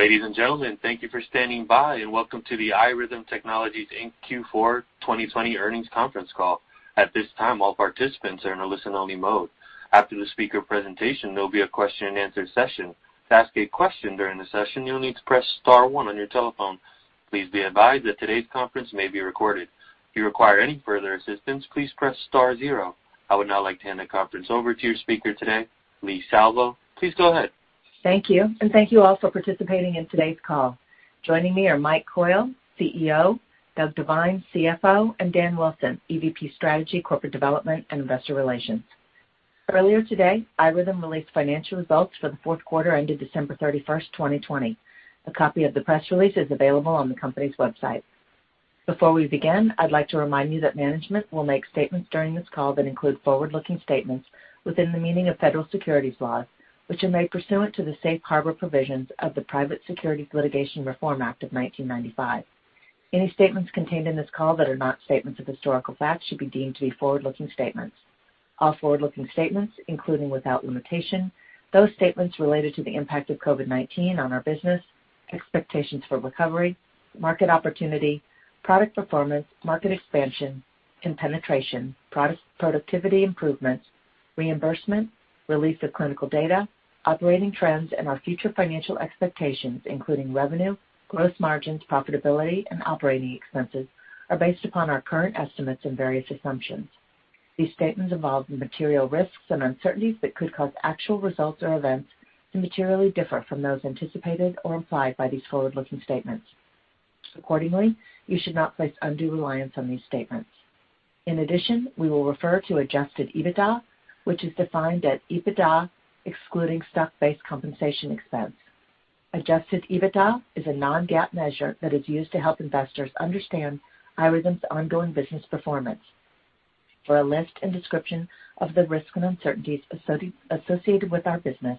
Ladies and gentlemen, thank you for standing by and welcome to the iRhythm Technologies, Inc. Q4 2020 earnings conference call. At this time, all participants are in a listen-only mode. After the speaker presentation, there'll be a question and answer session. To ask a question during the session, you'll need to press star one on your telephone. Please be advised that today's conference may be recorded. If you require any further assistance, please press star zero. I would now like to hand the conference over to your speaker today, Leigh Salvo. Please go ahead. Thank you, and thank you all for participating in today's call. Joining me are Mike Coyle, CEO, Doug Devine, CFO, and Dan Wilson, EVP Strategy, Corporate Development, and Investor Relations. Earlier today, iRhythm released financial results for the fourth quarter ended December 31st, 2020. A copy of the press release is available on the company's website. Before we begin, I'd like to remind you that management will make statements during this call that include forward-looking statements within the meaning of federal securities laws, which are made pursuant to the safe harbor provisions of the Private Securities Litigation Reform Act of 1995. Any statements contained in this call that are not statements of historical fact should be deemed to be forward-looking statements. All forward-looking statements, including without limitation, those statements related to the impact of COVID-19 on our business, expectations for recovery, market opportunity, product performance, market expansion and penetration, productivity improvements, reimbursement, release of clinical data, operating trends, and our future financial expectations, including revenue, growth margins, profitability, and operating expenses, are based upon our current estimates and various assumptions. These statements involve material risks and uncertainties that could cause actual results or events to materially differ from those anticipated or implied by these forward-looking statements. Accordingly, you should not place undue reliance on these statements. In addition, we will refer to adjusted EBITDA, which is defined as EBITDA excluding stock-based compensation expense. Adjusted EBITDA is a non-GAAP measure that is used to help investors understand iRhythm's ongoing business performance. For a list and description of the risks and uncertainties associated with our business,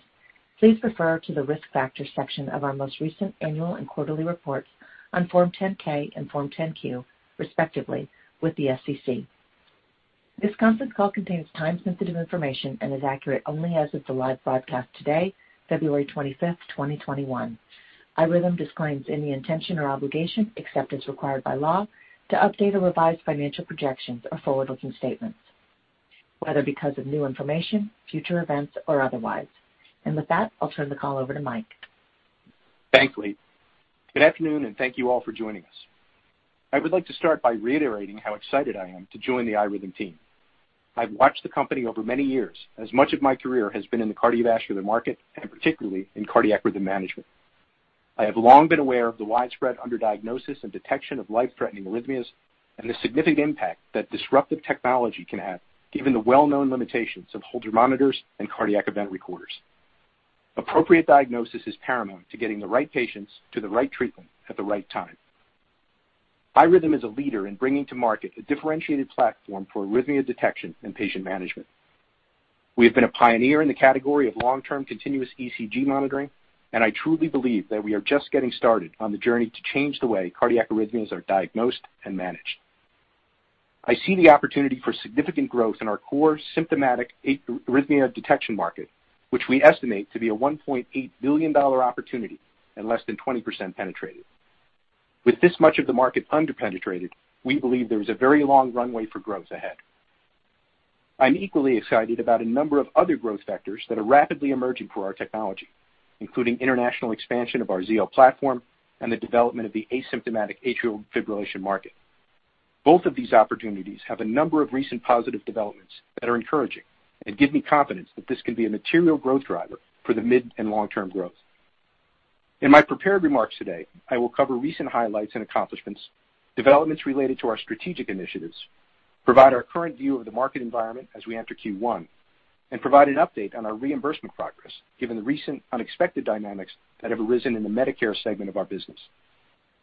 please refer to the risk factors section of our most recent annual and quarterly reports on Form 10-K and Form 10-Q, respectively, with the SEC. This conference call contains time-sensitive information and is accurate only as of the live broadcast today, February 25th, 2021. iRhythm disclaims any intention or obligation, except as required by law, to update or revise financial projections or forward-looking statements, whether because of new information, future events, or otherwise. With that, I'll turn the call over to Mike. Thanks, Leigh. Good afternoon, and thank you all for joining us. I would like to start by reiterating how excited I am to join the iRhythm team. I've watched the company over many years, as much of my career has been in the cardiovascular market, and particularly in cardiac rhythm management. I have long been aware of the widespread under-diagnosis and detection of life-threatening arrhythmias and the significant impact that disruptive technology can have, given the well-known limitations of Holter monitors and cardiac event recorders. Appropriate diagnosis is paramount to getting the right patients to the right treatment at the right time. iRhythm is a leader in bringing to market a differentiated platform for arrhythmia detection and patient management. We have been a pioneer in the category of long-term continuous ECG monitoring, and I truly believe that we are just getting started on the journey to change the way cardiac arrhythmias are diagnosed and managed. I see the opportunity for significant growth in our core symptomatic arrhythmia detection market, which we estimate to be a $1.8 billion opportunity and less than 20% penetrated. With this much of the market under-penetrated, we believe there is a very long runway for growth ahead. I'm equally excited about a number of other growth vectors that are rapidly emerging for our technology, including international expansion of our Zio platform and the development of the asymptomatic atrial fibrillation market. Both of these opportunities have a number of recent positive developments that are encouraging and give me confidence that this can be a material growth driver for the mid and long-term growth. In my prepared remarks today, I will cover recent highlights and accomplishments, developments related to our strategic initiatives, provide our current view of the market environment as we enter Q1, and provide an update on our reimbursement progress, given the recent unexpected dynamics that have arisen in the Medicare segment of our business.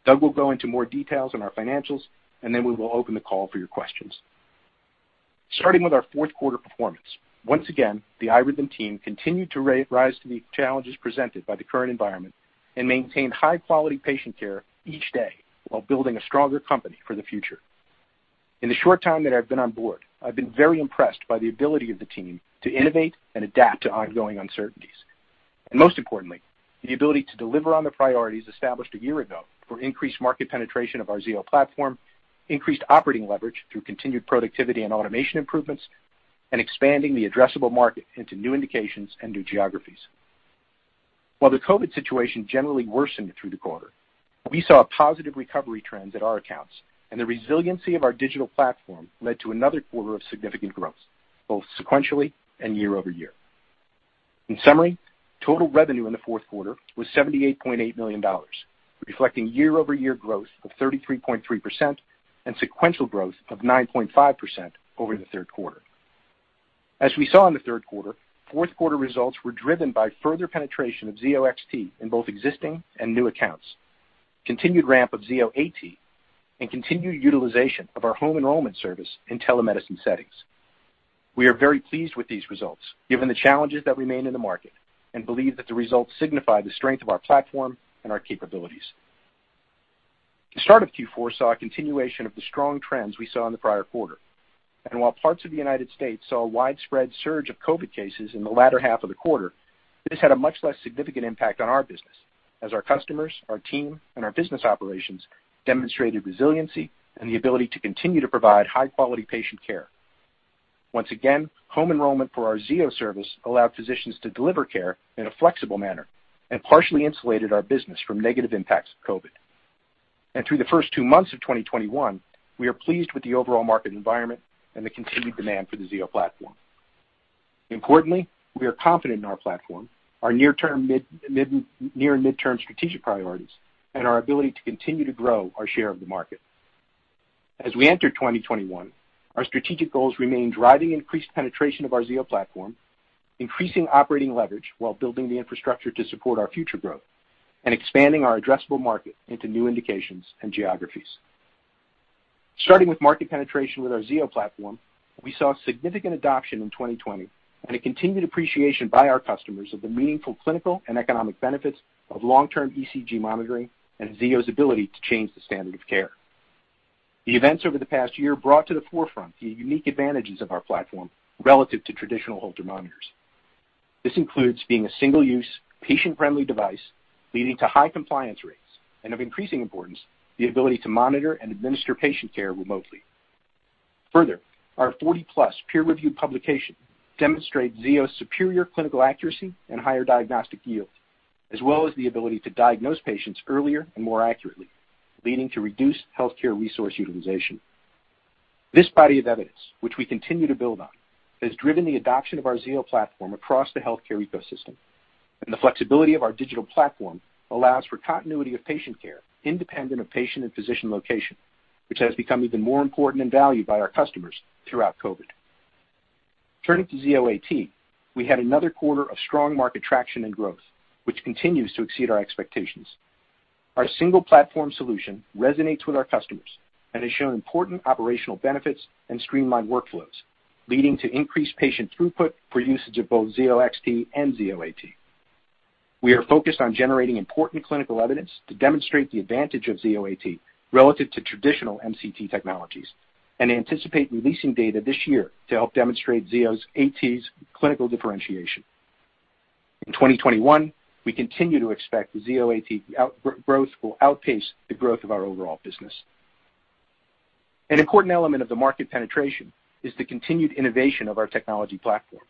Doug will go into more details on our financials, and then we will open the call for your questions. Starting with our fourth quarter performance. Once again, the iRhythm team continued to rise to the challenges presented by the current environment and maintained high-quality patient care each day while building a stronger company for the future. In the short time that I've been on board, I've been very impressed by the ability of the team to innovate and adapt to ongoing uncertainties. Most importantly, the ability to deliver on the priorities established a year ago for increased market penetration of our Zio platform, increased operating leverage through continued productivity and automation improvements, and expanding the addressable market into new indications and new geographies. While the COVID situation generally worsened through the quarter, we saw positive recovery trends at our accounts, and the resiliency of our digital platform led to another quarter of significant growth, both sequentially and year-over-year. In summary, total revenue in the fourth quarter was $78.8 million, reflecting year-over-year growth of 33.3% and sequential growth of 9.5% over the third quarter. As we saw in the third quarter, fourth quarter results were driven by further penetration of Zio XT in both existing and new accounts, continued ramp of Zio AT, and continued utilization of our home enrollment service in telemedicine settings. We are very pleased with these results given the challenges that remain in the market and believe that the results signify the strength of our platform and our capabilities. The start of Q4 saw a continuation of the strong trends we saw in the prior quarter. While parts of the United States saw a widespread surge of COVID cases in the latter half of the quarter, this had a much less significant impact on our business as our customers, our team, and our business operations demonstrated resiliency and the ability to continue to provide high-quality patient care. Once again, home enrollment for our Zio service allowed physicians to deliver care in a flexible manner and partially insulated our business from negative impacts of COVID. Through the first two months of 2021, we are pleased with the overall market environment and the continued demand for the Zio platform. Importantly, we are confident in our platform, our near and midterm strategic priorities, and our ability to continue to grow our share of the market. As we enter 2021, our strategic goals remain driving increased penetration of our Zio platform, increasing operating leverage while building the infrastructure to support our future growth, and expanding our addressable market into new indications and geographies. Starting with market penetration with our Zio platform, we saw significant adoption in 2020 and a continued appreciation by our customers of the meaningful clinical and economic benefits of long-term ECG monitoring and Zio's ability to change the standard of care. The events over the past year brought to the forefront the unique advantages of our platform relative to traditional Holter monitors. This includes being a single-use, patient-friendly device, leading to high compliance rates, and of increasing importance, the ability to monitor and administer patient care remotely. Further, our 40+ peer-reviewed publication demonstrate Zio's superior clinical accuracy and higher diagnostic yield, as well as the ability to diagnose patients earlier and more accurately, leading to reduced healthcare resource utilization. This body of evidence, which we continue to build on, has driven the adoption of our Zio platform across the healthcare ecosystem, and the flexibility of our digital platform allows for continuity of patient care independent of patient and physician location, which has become even more important and valued by our customers throughout COVID. Turning to Zio AT, we had another quarter of strong market traction and growth, which continues to exceed our expectations. Our single-platform solution resonates with our customers and has shown important operational benefits and streamlined workflows, leading to increased patient throughput for usage of both Zio XT and Zio AT. We are focused on generating important clinical evidence to demonstrate the advantage of Zio AT relative to traditional MCT technologies and anticipate releasing data this year to help demonstrate Zio AT's clinical differentiation. In 2021, we continue to expect the Zio AT growth will outpace the growth of our overall business. An important element of the market penetration is the continued innovation of our technology platform.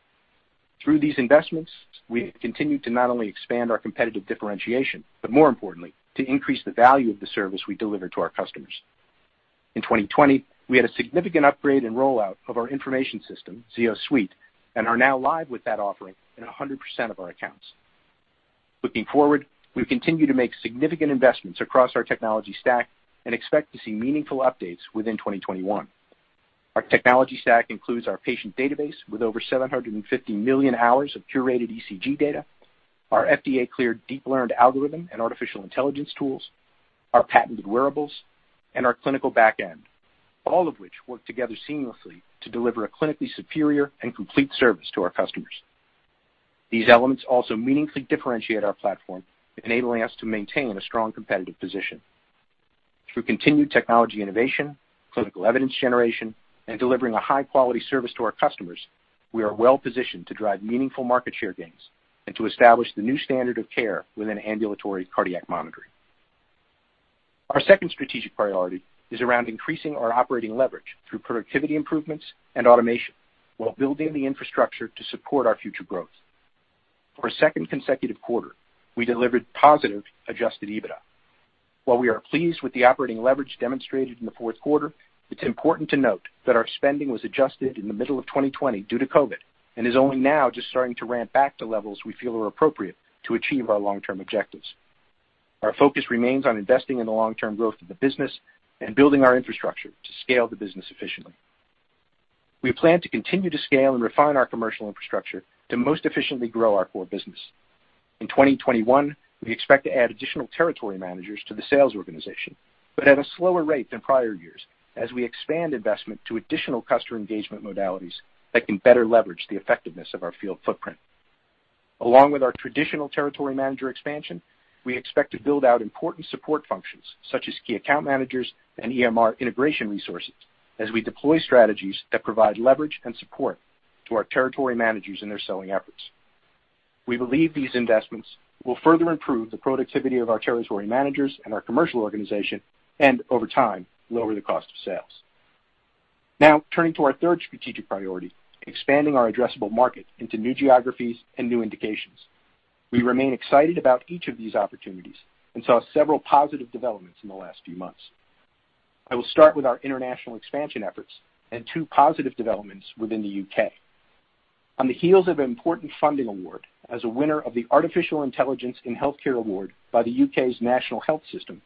Through these investments, we have continued to not only expand our competitive differentiation, but more importantly, to increase the value of the service we deliver to our customers. In 2020, we had a significant upgrade and rollout of our information system, ZioSuite, and are now live with that offering in 100% of our accounts. Looking forward, we continue to make significant investments across our technology stack and expect to see meaningful updates within 2021. Our technology stack includes our patient database with over 750 million hours of curated ECG data, our FDA-cleared deep learned algorithm and artificial intelligence tools, our patented wearables, and our clinical back end, all of which work together seamlessly to deliver a clinically superior and complete service to our customers. These elements also meaningfully differentiate our platform, enabling us to maintain a strong competitive position. Through continued technology innovation, clinical evidence generation, and delivering a high-quality service to our customers, we are well-positioned to drive meaningful market share gains and to establish the new standard of care within ambulatory cardiac monitoring. Our second strategic priority is around increasing our operating leverage through productivity improvements and automation while building the infrastructure to support our future growth. For a second consecutive quarter, we delivered positive adjusted EBITDA. While we are pleased with the operating leverage demonstrated in the fourth quarter, it's important to note that our spending was adjusted in the middle of 2020 due to COVID and is only now just starting to ramp back to levels we feel are appropriate to achieve our long-term objectives. Our focus remains on investing in the long-term growth of the business and building our infrastructure to scale the business efficiently. We plan to continue to scale and refine our commercial infrastructure to most efficiently grow our core business. In 2021, we expect to add additional territory managers to the sales organization, but at a slower rate than prior years as we expand investment to additional customer engagement modalities that can better leverage the effectiveness of our field footprint. Along with our traditional territory manager expansion, we expect to build out important support functions such as key account managers and EMR integration resources as we deploy strategies that provide leverage and support to our territory managers in their selling efforts. We believe these investments will further improve the productivity of our territory managers and our commercial organization and over time, lower the cost of sales. Turning to our third strategic priority, expanding our addressable market into new geographies and new indications. We remain excited about each of these opportunities and saw several positive developments in the last few months. I will start with our international expansion efforts and two positive developments within the U.K. On the heels of an important funding award as a winner of the Artificial Intelligence in Healthcare award by the U.K.'s National Health System,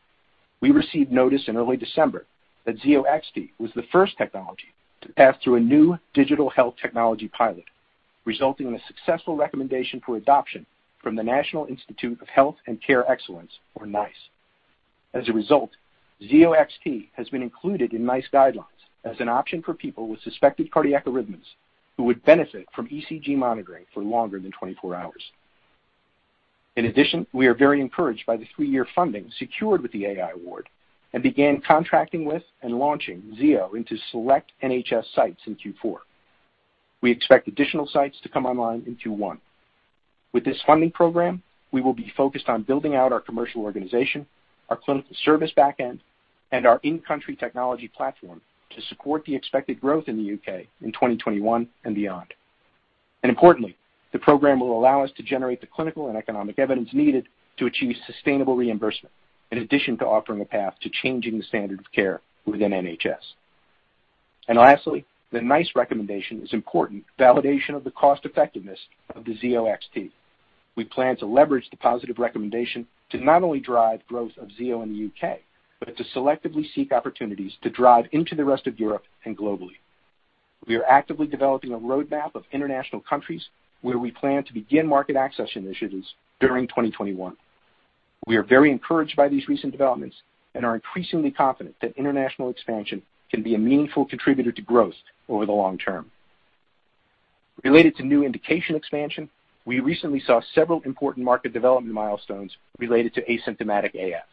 we received notice in early December that Zio XT was the first technology to pass through a new digital health technology pilot, resulting in a successful recommendation for adoption from the National Institute for Health and Care Excellence, or NICE. As a result, Zio XT has been included in NICE guidelines as an option for people with suspected cardiac arrhythmias who would benefit from ECG monitoring for longer than 24 hours. In addition, we are very encouraged by the three-year funding secured with the AI award and began contracting with and launching Zio into select NHS sites in Q4. We expect additional sites to come online in Q1. With this funding program, we will be focused on building out our commercial organization, our clinical service back end, and our in-country technology platform to support the expected growth in the U.K. in 2021 and beyond. Importantly, the program will allow us to generate the clinical and economic evidence needed to achieve sustainable reimbursement, in addition to offering a path to changing the standard of care within NHS. Lastly, the NICE recommendation is important validation of the cost-effectiveness of the Zio XT. We plan to leverage the positive recommendation to not only drive growth of Zio in the U.K., but to selectively seek opportunities to drive into the rest of Europe and globally. We are actively developing a roadmap of international countries where we plan to begin market access initiatives during 2021. We are very encouraged by these recent developments and are increasingly confident that international expansion can be a meaningful contributor to growth over the long term. Related to new indication expansion, we recently saw several important market development milestones related to asymptomatic AF.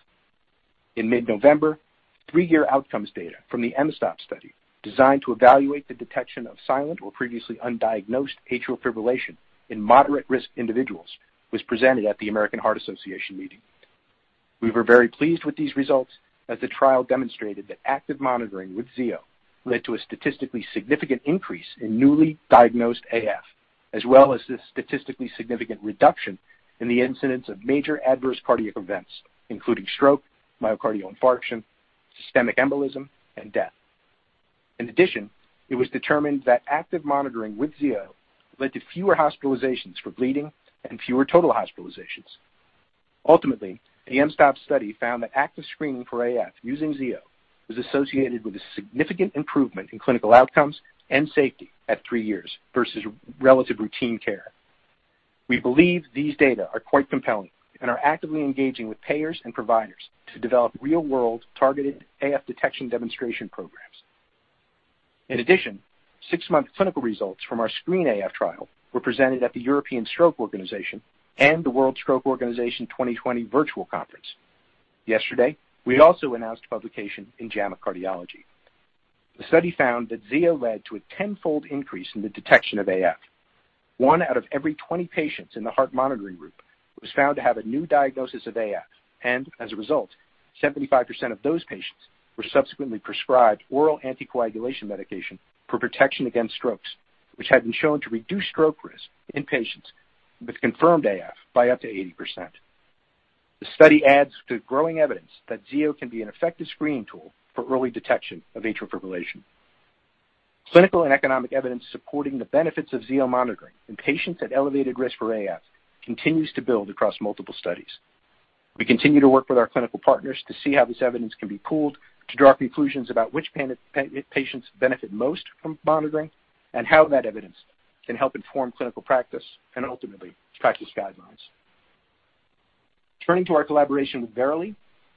In mid-November, three-year outcomes data from the mSToPS study designed to evaluate the detection of silent or previously undiagnosed atrial fibrillation in moderate-risk individuals was presented at the American Heart Association meeting. We were very pleased with these results, as the trial demonstrated that active monitoring with Zio led to a statistically significant increase in newly diagnosed AF, as well as a statistically significant reduction in the incidence of major adverse cardiac events, including stroke, myocardial infarction, systemic embolism, and death. In addition, it was determined that active monitoring with Zio led to fewer hospitalizations for bleeding and fewer total hospitalizations. Ultimately, the mSToPS study found that active screening for AF using Zio was associated with a significant improvement in clinical outcomes and safety at three years versus relative routine care. We believe these data are quite compelling and are actively engaging with payers and providers to develop real-world targeted AF detection demonstration programs. In addition, six-month clinical results from our SCREEN-AF trial were presented at the European Stroke Organisation and the World Stroke Organization 2020 virtual conference. Yesterday, we also announced publication in JAMA Cardiology. The study found that Zio led to a tenfold increase in the detection of AF. One out of every 20 patients in the heart monitoring group was found to have a new diagnosis of AF. As a result, 75% of those patients were subsequently prescribed oral anticoagulation medication for protection against strokes, which had been shown to reduce stroke risk in patients with confirmed AF by up to 80%. The study adds to growing evidence that Zio can be an effective screening tool for early detection of atrial fibrillation. Clinical and economic evidence supporting the benefits of Zio monitoring in patients at elevated risk for AF continues to build across multiple studies. We continue to work with our clinical partners to see how this evidence can be pooled to draw conclusions about which patients benefit most from monitoring and how that evidence can help inform clinical practice and ultimately practice guidelines. Turning to our collaboration with Verily,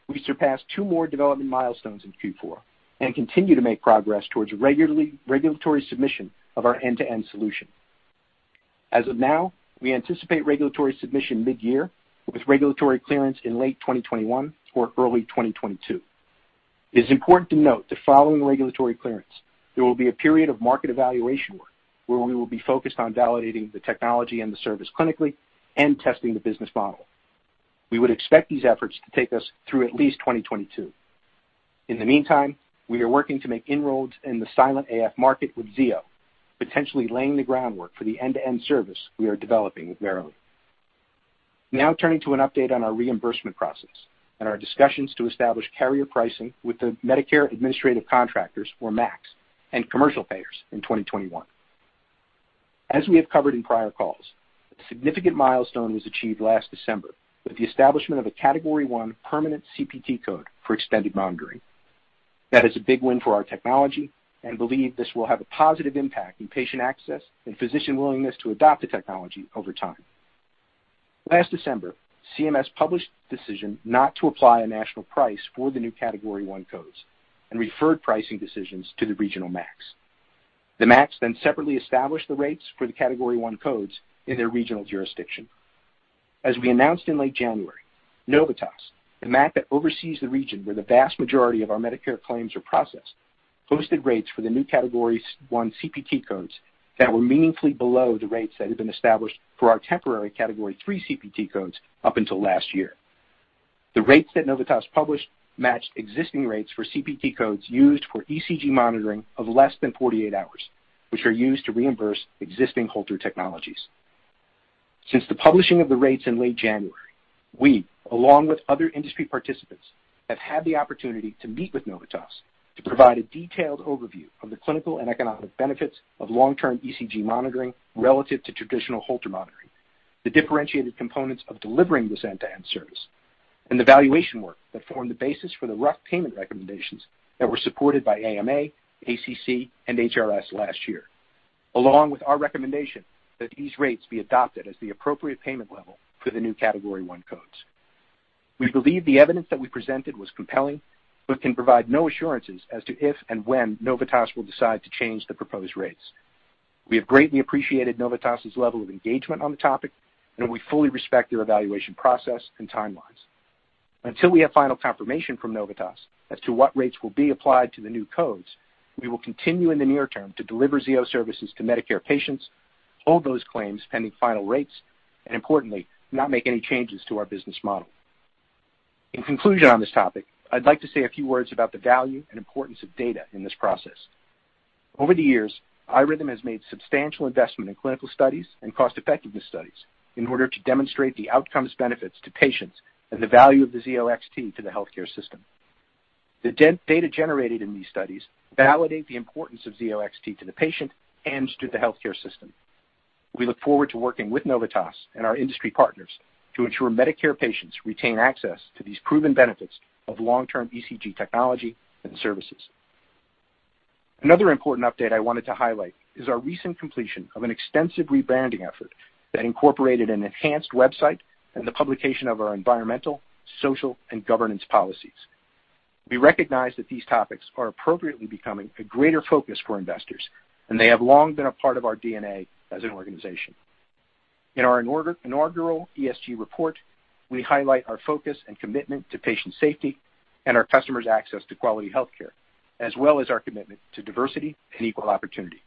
we surpassed two more development milestones in Q4 and continue to make progress towards regulatory submission of our end-to-end solution. As of now, we anticipate regulatory submission mid-year with regulatory clearance in late 2021 or early 2022. It is important to note that following regulatory clearance, there will be a period of market evaluation work where we will be focused on validating the technology and the service clinically and testing the business model. We would expect these efforts to take us through at least 2022. In the meantime, we are working to make inroads in the silent AF market with Zio, potentially laying the groundwork for the end-to-end service we are developing with Verily. Now turning to an update on our reimbursement process and our discussions to establish carrier pricing with the Medicare Administrative Contractors, or MACs, and commercial payers in 2021. As we have covered in prior calls, a significant milestone was achieved last December with the establishment of a Category I permanent CPT code for extended monitoring. That is a big win for our technology and believe this will have a positive impact in patient access and physician willingness to adopt the technology over time. Last December, CMS published the decision not to apply a national price for the new Category I codes and referred pricing decisions to the regional MACs. The MACs separately established the rates for the Category I codes in their regional jurisdiction. As we announced in late January, Novitas, the MAC that oversees the region where the vast majority of our Medicare claims are processed, posted rates for the new Category I CPT codes that were meaningfully below the rates that had been established for our temporary Category III CPT codes up until last year. The rates that Novitas published matched existing rates for CPT codes used for ECG monitoring of less than 48 hours, which are used to reimburse existing Holter technologies. Since the publishing of the rates in late January, we, along with other industry participants, have had the opportunity to meet with Novitas to provide a detailed overview of the clinical and economic benefits of long-term ECG monitoring relative to traditional Holter monitoring, the differentiated components of delivering this end-to-end service, and the valuation work that formed the basis for the RUC payment recommendations that were supported by AMA, ACC, and HRS last year, along with our recommendation that these rates be adopted as the appropriate payment level for the new Category I codes. We believe the evidence that we presented was compelling, but can provide no assurances as to if and when Novitas will decide to change the proposed rates. We have greatly appreciated Novitas' level of engagement on the topic, and we fully respect their evaluation process and timelines. Until we have final confirmation from Novitas as to what rates will be applied to the new codes, we will continue in the near term to deliver Zio Services to Medicare patients, hold those claims pending final rates, and importantly, not make any changes to our business model. In conclusion on this topic, I'd like to say a few words about the value and importance of data in this process. Over the years, iRhythm has made substantial investment in clinical studies and cost-effectiveness studies in order to demonstrate the outcomes benefits to patients and the value of the Zio XT to the healthcare system. The data generated in these studies validate the importance of Zio XT to the patient and to the healthcare system. We look forward to working with Novitas and our industry partners to ensure Medicare patients retain access to these proven benefits of long-term ECG technology and services. Another important update I wanted to highlight is our recent completion of an extensive rebranding effort that incorporated an enhanced website and the publication of our environmental, social, and governance policies. We recognize that these topics are appropriately becoming a greater focus for investors, and they have long been a part of our DNA as an organization. In our inaugural ESG report, we highlight our focus and commitment to patient safety and our customers' access to quality healthcare, as well as our commitment to diversity and equal opportunity.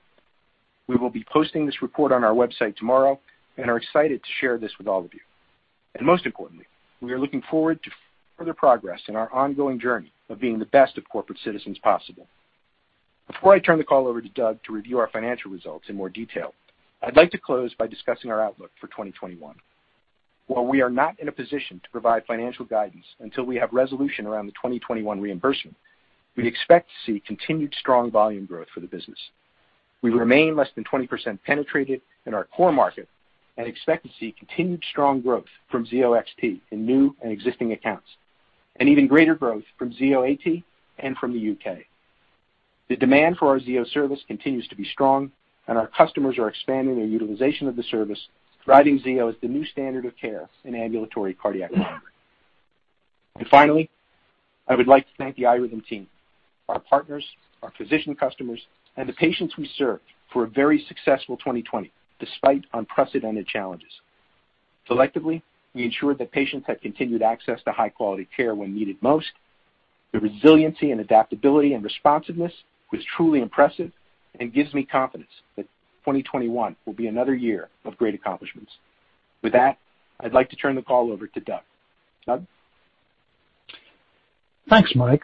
We will be posting this report on our website tomorrow and are excited to share this with all of you. Most importantly, we are looking forward to further progress in our ongoing journey of being the best of corporate citizens possible. Before I turn the call over to Doug to review our financial results in more detail, I'd like to close by discussing our outlook for 2021. While we are not in a position to provide financial guidance until we have resolution around the 2021 reimbursement, we expect to see continued strong volume growth for the business. We remain less than 20% penetrated in our core market and expect to see continued strong growth from Zio XT in new and existing accounts, even greater growth from Zio AT and from the U.K. The demand for our Zio Service continues to be strong and our customers are expanding their utilization of the service, driving Zio as the new standard of care in ambulatory cardiac monitoring. Finally, I would like to thank the iRhythm team, our partners, our physician customers, and the patients we serve for a very successful 2020, despite unprecedented challenges. Collectively, we ensured that patients had continued access to high-quality care when needed most. The resiliency and adaptability and responsiveness was truly impressive and gives me confidence that 2021 will be another year of great accomplishments. With that, I'd like to turn the call over to Doug. Doug? Thanks, Mike.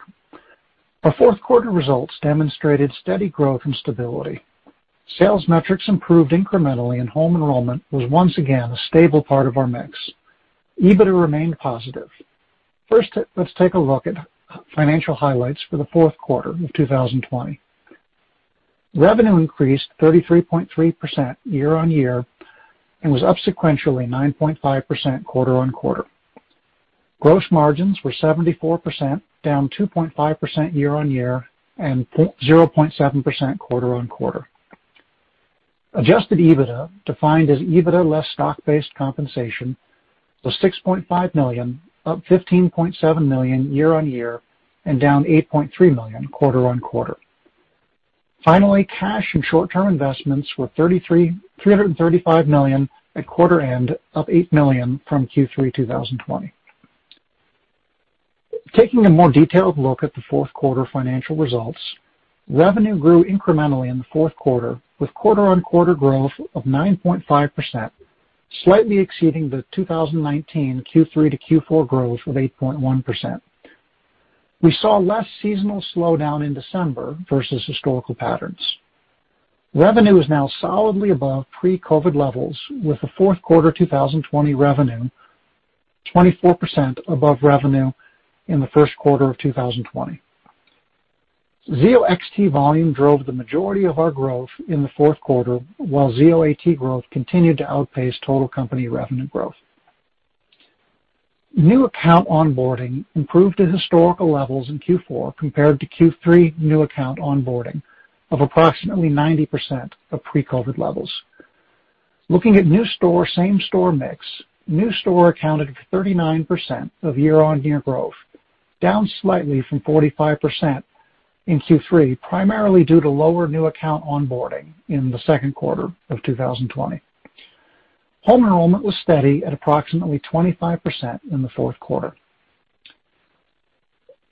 Our fourth quarter results demonstrated steady growth and stability. Sales metrics improved incrementally, and home enrollment was once again a stable part of our mix. EBITDA remained positive. First, let's take a look at financial highlights for the fourth quarter of 2020. Revenue increased 33.3% year-on-year and was up sequentially 9.5% quarter-on-quarter. Gross margins were 74%, down 2.5% year-on-year and 0.7% quarter-on-quarter. Adjusted EBITDA, defined as EBITDA less stock-based compensation, was $6.5 million, up $15.7 million year-on-year and down $8.3 million quarter-on-quarter. Finally, cash and short-term investments were $335 million at quarter end, up $8 million from Q3 2020. Taking a more detailed look at the fourth quarter financial results, revenue grew incrementally in the fourth quarter with quarter-on-quarter growth of 9.5%, slightly exceeding the 2019 Q3 to Q4 growth of 8.1%. We saw less seasonal slowdown in December versus historical patterns. Revenue is now solidly above pre-COVID levels, with the fourth quarter 2020 revenue 24% above revenue in the first quarter of 2020. Zio XT volume drove the majority of our growth in the fourth quarter, while Zio AT growth continued to outpace total company revenue growth. New account onboarding improved to historical levels in Q4 compared to Q3 new account onboarding of approximately 90% of pre-COVID levels. Looking at new store/same store mix, new store accounted for 39% of year-on-year growth, down slightly from 45% in Q3, primarily due to lower new account onboarding in the second quarter of 2020. Home enrollment was steady at approximately 25% in the fourth quarter.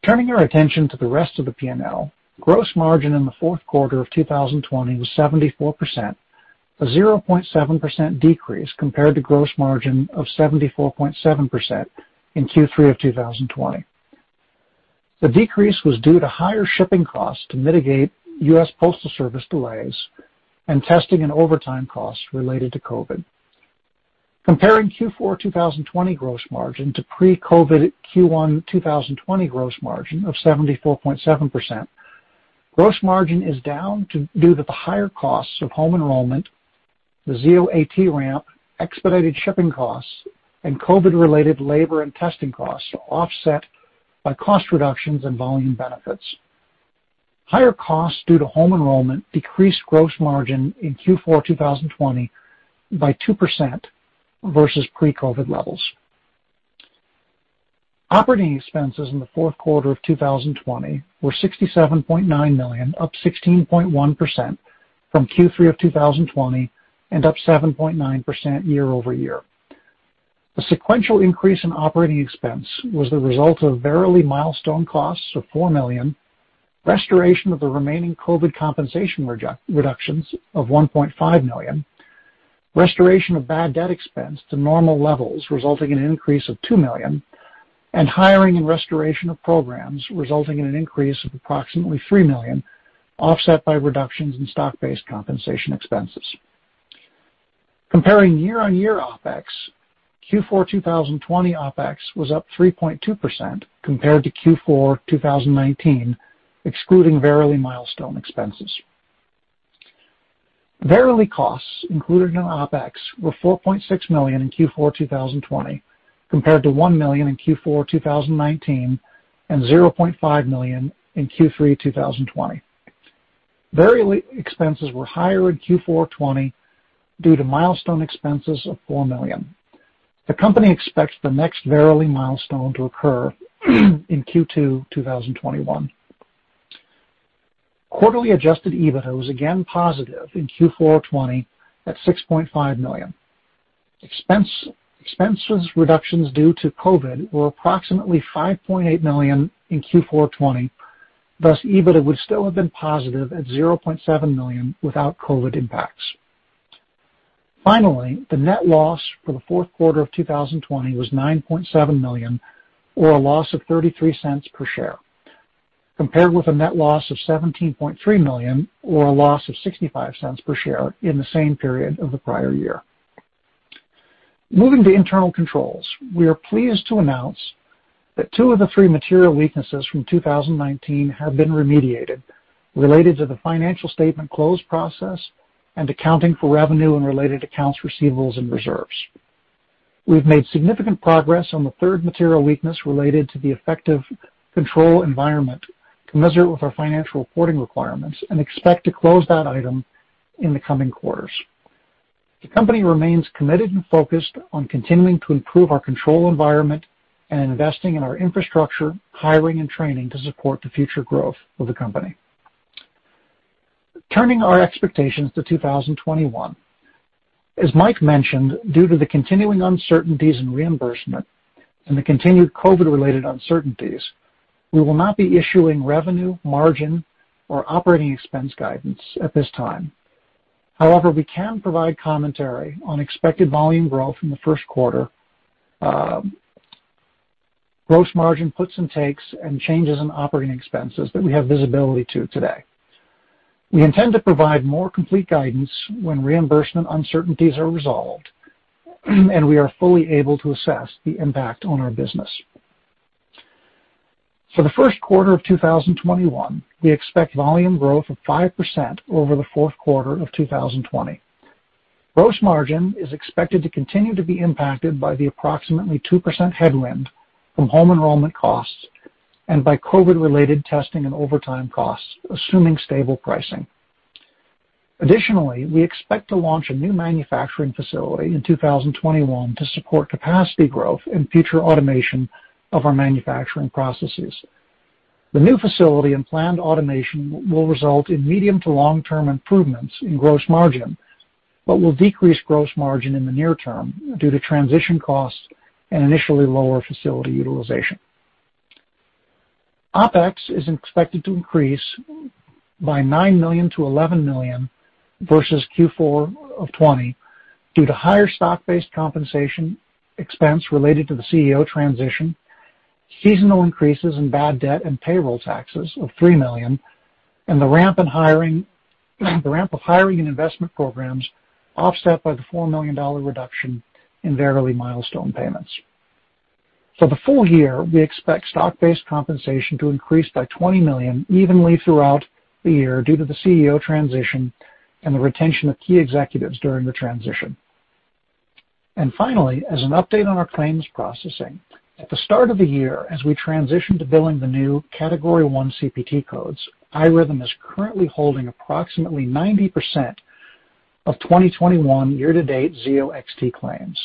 Turning our attention to the rest of the P&L, gross margin in the fourth quarter of 2020 was 74%, a 0.7% decrease compared to gross margin of 74.7% in Q3 of 2020. The decrease was due to higher shipping costs to mitigate U.S. Postal Service delays and testing and overtime costs related to COVID. Comparing Q4 2020 gross margin to pre-COVID Q1 2020 gross margin of 74.7%, gross margin is down due to the higher costs of home enrollment, the Zio AT ramp, expedited shipping costs, and COVID-related labor and testing costs offset by cost reductions and volume benefits. Higher costs due to home enrollment decreased gross margin in Q4 2020 by 2% versus pre-COVID levels. Operating expenses in the fourth quarter of 2020 were $67.9 million, up 16.1% from Q3 of 2020 and up 7.9% year-over-year. The sequential increase in operating expense was the result of Verily milestone costs of $4 million, restoration of the remaining COVID compensation reductions of $1.5 million, restoration of bad debt expense to normal levels, resulting in an increase of $2 million, and hiring and restoration of programs resulting in an increase of approximately $3 million, offset by reductions in stock-based compensation expenses. Comparing year-on-year OpEx, Q4 2020 OpEx was up 3.2% compared to Q4 2019, excluding Verily milestone expenses. Verily costs included in our OpEx were $4.6 million in Q4 2020 compared to $1 million in Q4 2019 and $0.5 million in Q3 2020. Verily expenses were higher in Q4 2020 due to milestone expenses of $4 million. The company expects the next Verily milestone to occur in Q2 2021. Quarterly adjusted EBITDA was again positive in Q4 2020 at $6.5 million. Expense reductions due to COVID were approximately $5.8 million in Q4 2020, thus EBITDA would still have been positive at $0.7 million without COVID impacts. Finally, the net loss for the fourth quarter of 2020 was $9.7 million, or a loss of $0.33 per share, compared with a net loss of $17.3 million or a loss of $0.65 per share in the same period of the prior year. Moving to internal controls, we are pleased to announce that two of the three material weaknesses from 2019 have been remediated, related to the financial statement close process and accounting for revenue and related accounts, receivables, and reserves. We've made significant progress on the third material weakness related to the effective control environment commensurate with our financial reporting requirements and expect to close that item in the coming quarters. The company remains committed and focused on continuing to improve our control environment and investing in our infrastructure, hiring, and training to support the future growth for the company. Turning our expectations to 2021. As Mike mentioned, due to the continuing uncertainties in reimbursement and the continued COVID-related uncertainties, we will not be issuing revenue, margin, or operating expense guidance at this time. We can provide commentary on expected volume growth in the first quarter, gross margin puts and takes, and changes in operating expenses that we have visibility to today. We intend to provide more complete guidance when reimbursement uncertainties are resolved and we are fully able to assess the impact on our business. For the first quarter of 2021, we expect volume growth of 5% over the fourth quarter of 2020. Gross margin is expected to continue to be impacted by the approximately 2% headwind from home enrollment costs and by COVID-related testing and overtime costs, assuming stable pricing. We expect to launch a new manufacturing facility in 2021 to support capacity growth and future automation of our manufacturing processes. The new facility and planned automation will result in medium to long-term improvements in gross margin, but will decrease gross margin in the near term due to transition costs and initially lower facility utilization. OpEx is expected to increase by $9 million-$11 million versus Q4 of 2020 due to higher stock-based compensation expense related to the CEO transition, seasonal increases in bad debt and payroll taxes of $3 million, and the ramp in hiring and investment programs offset by the $4 million reduction in Verily milestone payments. For the full year, we expect stock-based compensation to increase by $20 million evenly throughout the year due to the CEO transition and the retention of key executives during the transition. Finally, as an update on our claims processing, at the start of the year, as we transition to billing the new Category I CPT codes, iRhythm is currently holding approximately 90% of 2021 year-to-date Zio XT claims.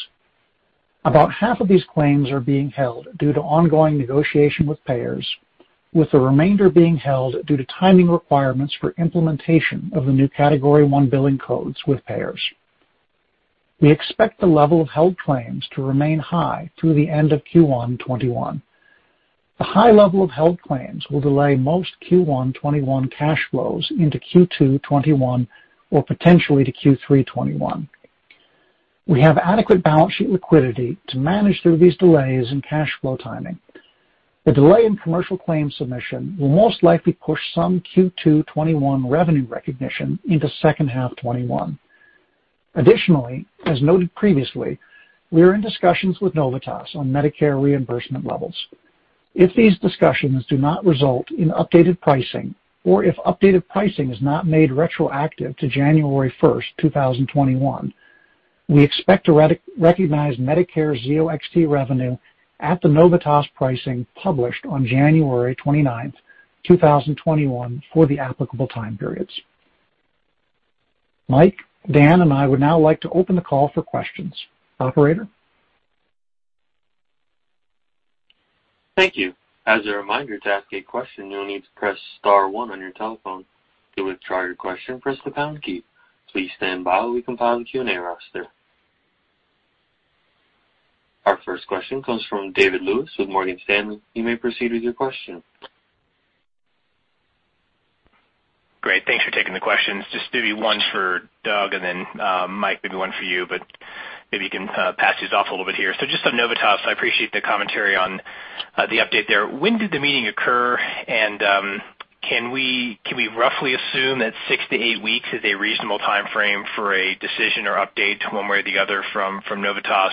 About half of these claims are being held due to ongoing negotiation with payers, with the remainder being held due to timing requirements for implementation of the new Category I billing codes with payers. We expect the level of held claims to remain high through the end of Q1 2021. The high level of held claims will delay most Q1 2021 cash flows into Q2 2021 or potentially to Q3 2021. We have adequate balance sheet liquidity to manage through these delays in cash flow timing. The delay in commercial claims submission will most likely push some Q2 2021 revenue recognition into second half 2021. Additionally, as noted previously, we are in discussions with Novitas on Medicare reimbursement levels. If these discussions do not result in updated pricing or if updated pricing is not made retroactive to January 1st, 2021. We expect to recognize Medicare Zio XT revenue at the Novitas pricing published on January 29th, 2021, for the applicable time periods. Mike, Dan, and I would now like to open the call for questions. Operator? Thank you. As a reminder, to ask a question, you'll need to press star one on your telephone. To withdraw your question, press the pound key. Please stand by while we compile the Q&A roster. Our first question comes from David Lewis with Morgan Stanley. You may proceed with your question. Great. Thanks for taking the questions. Just maybe one for Doug and then, Mike, maybe one for you, but maybe you can pass these off a little bit here. Just on Novitas, I appreciate the commentary on the update there. When did the meeting occur, and can we roughly assume that six to eight weeks is a reasonable timeframe for a decision or update one way or the other from Novitas?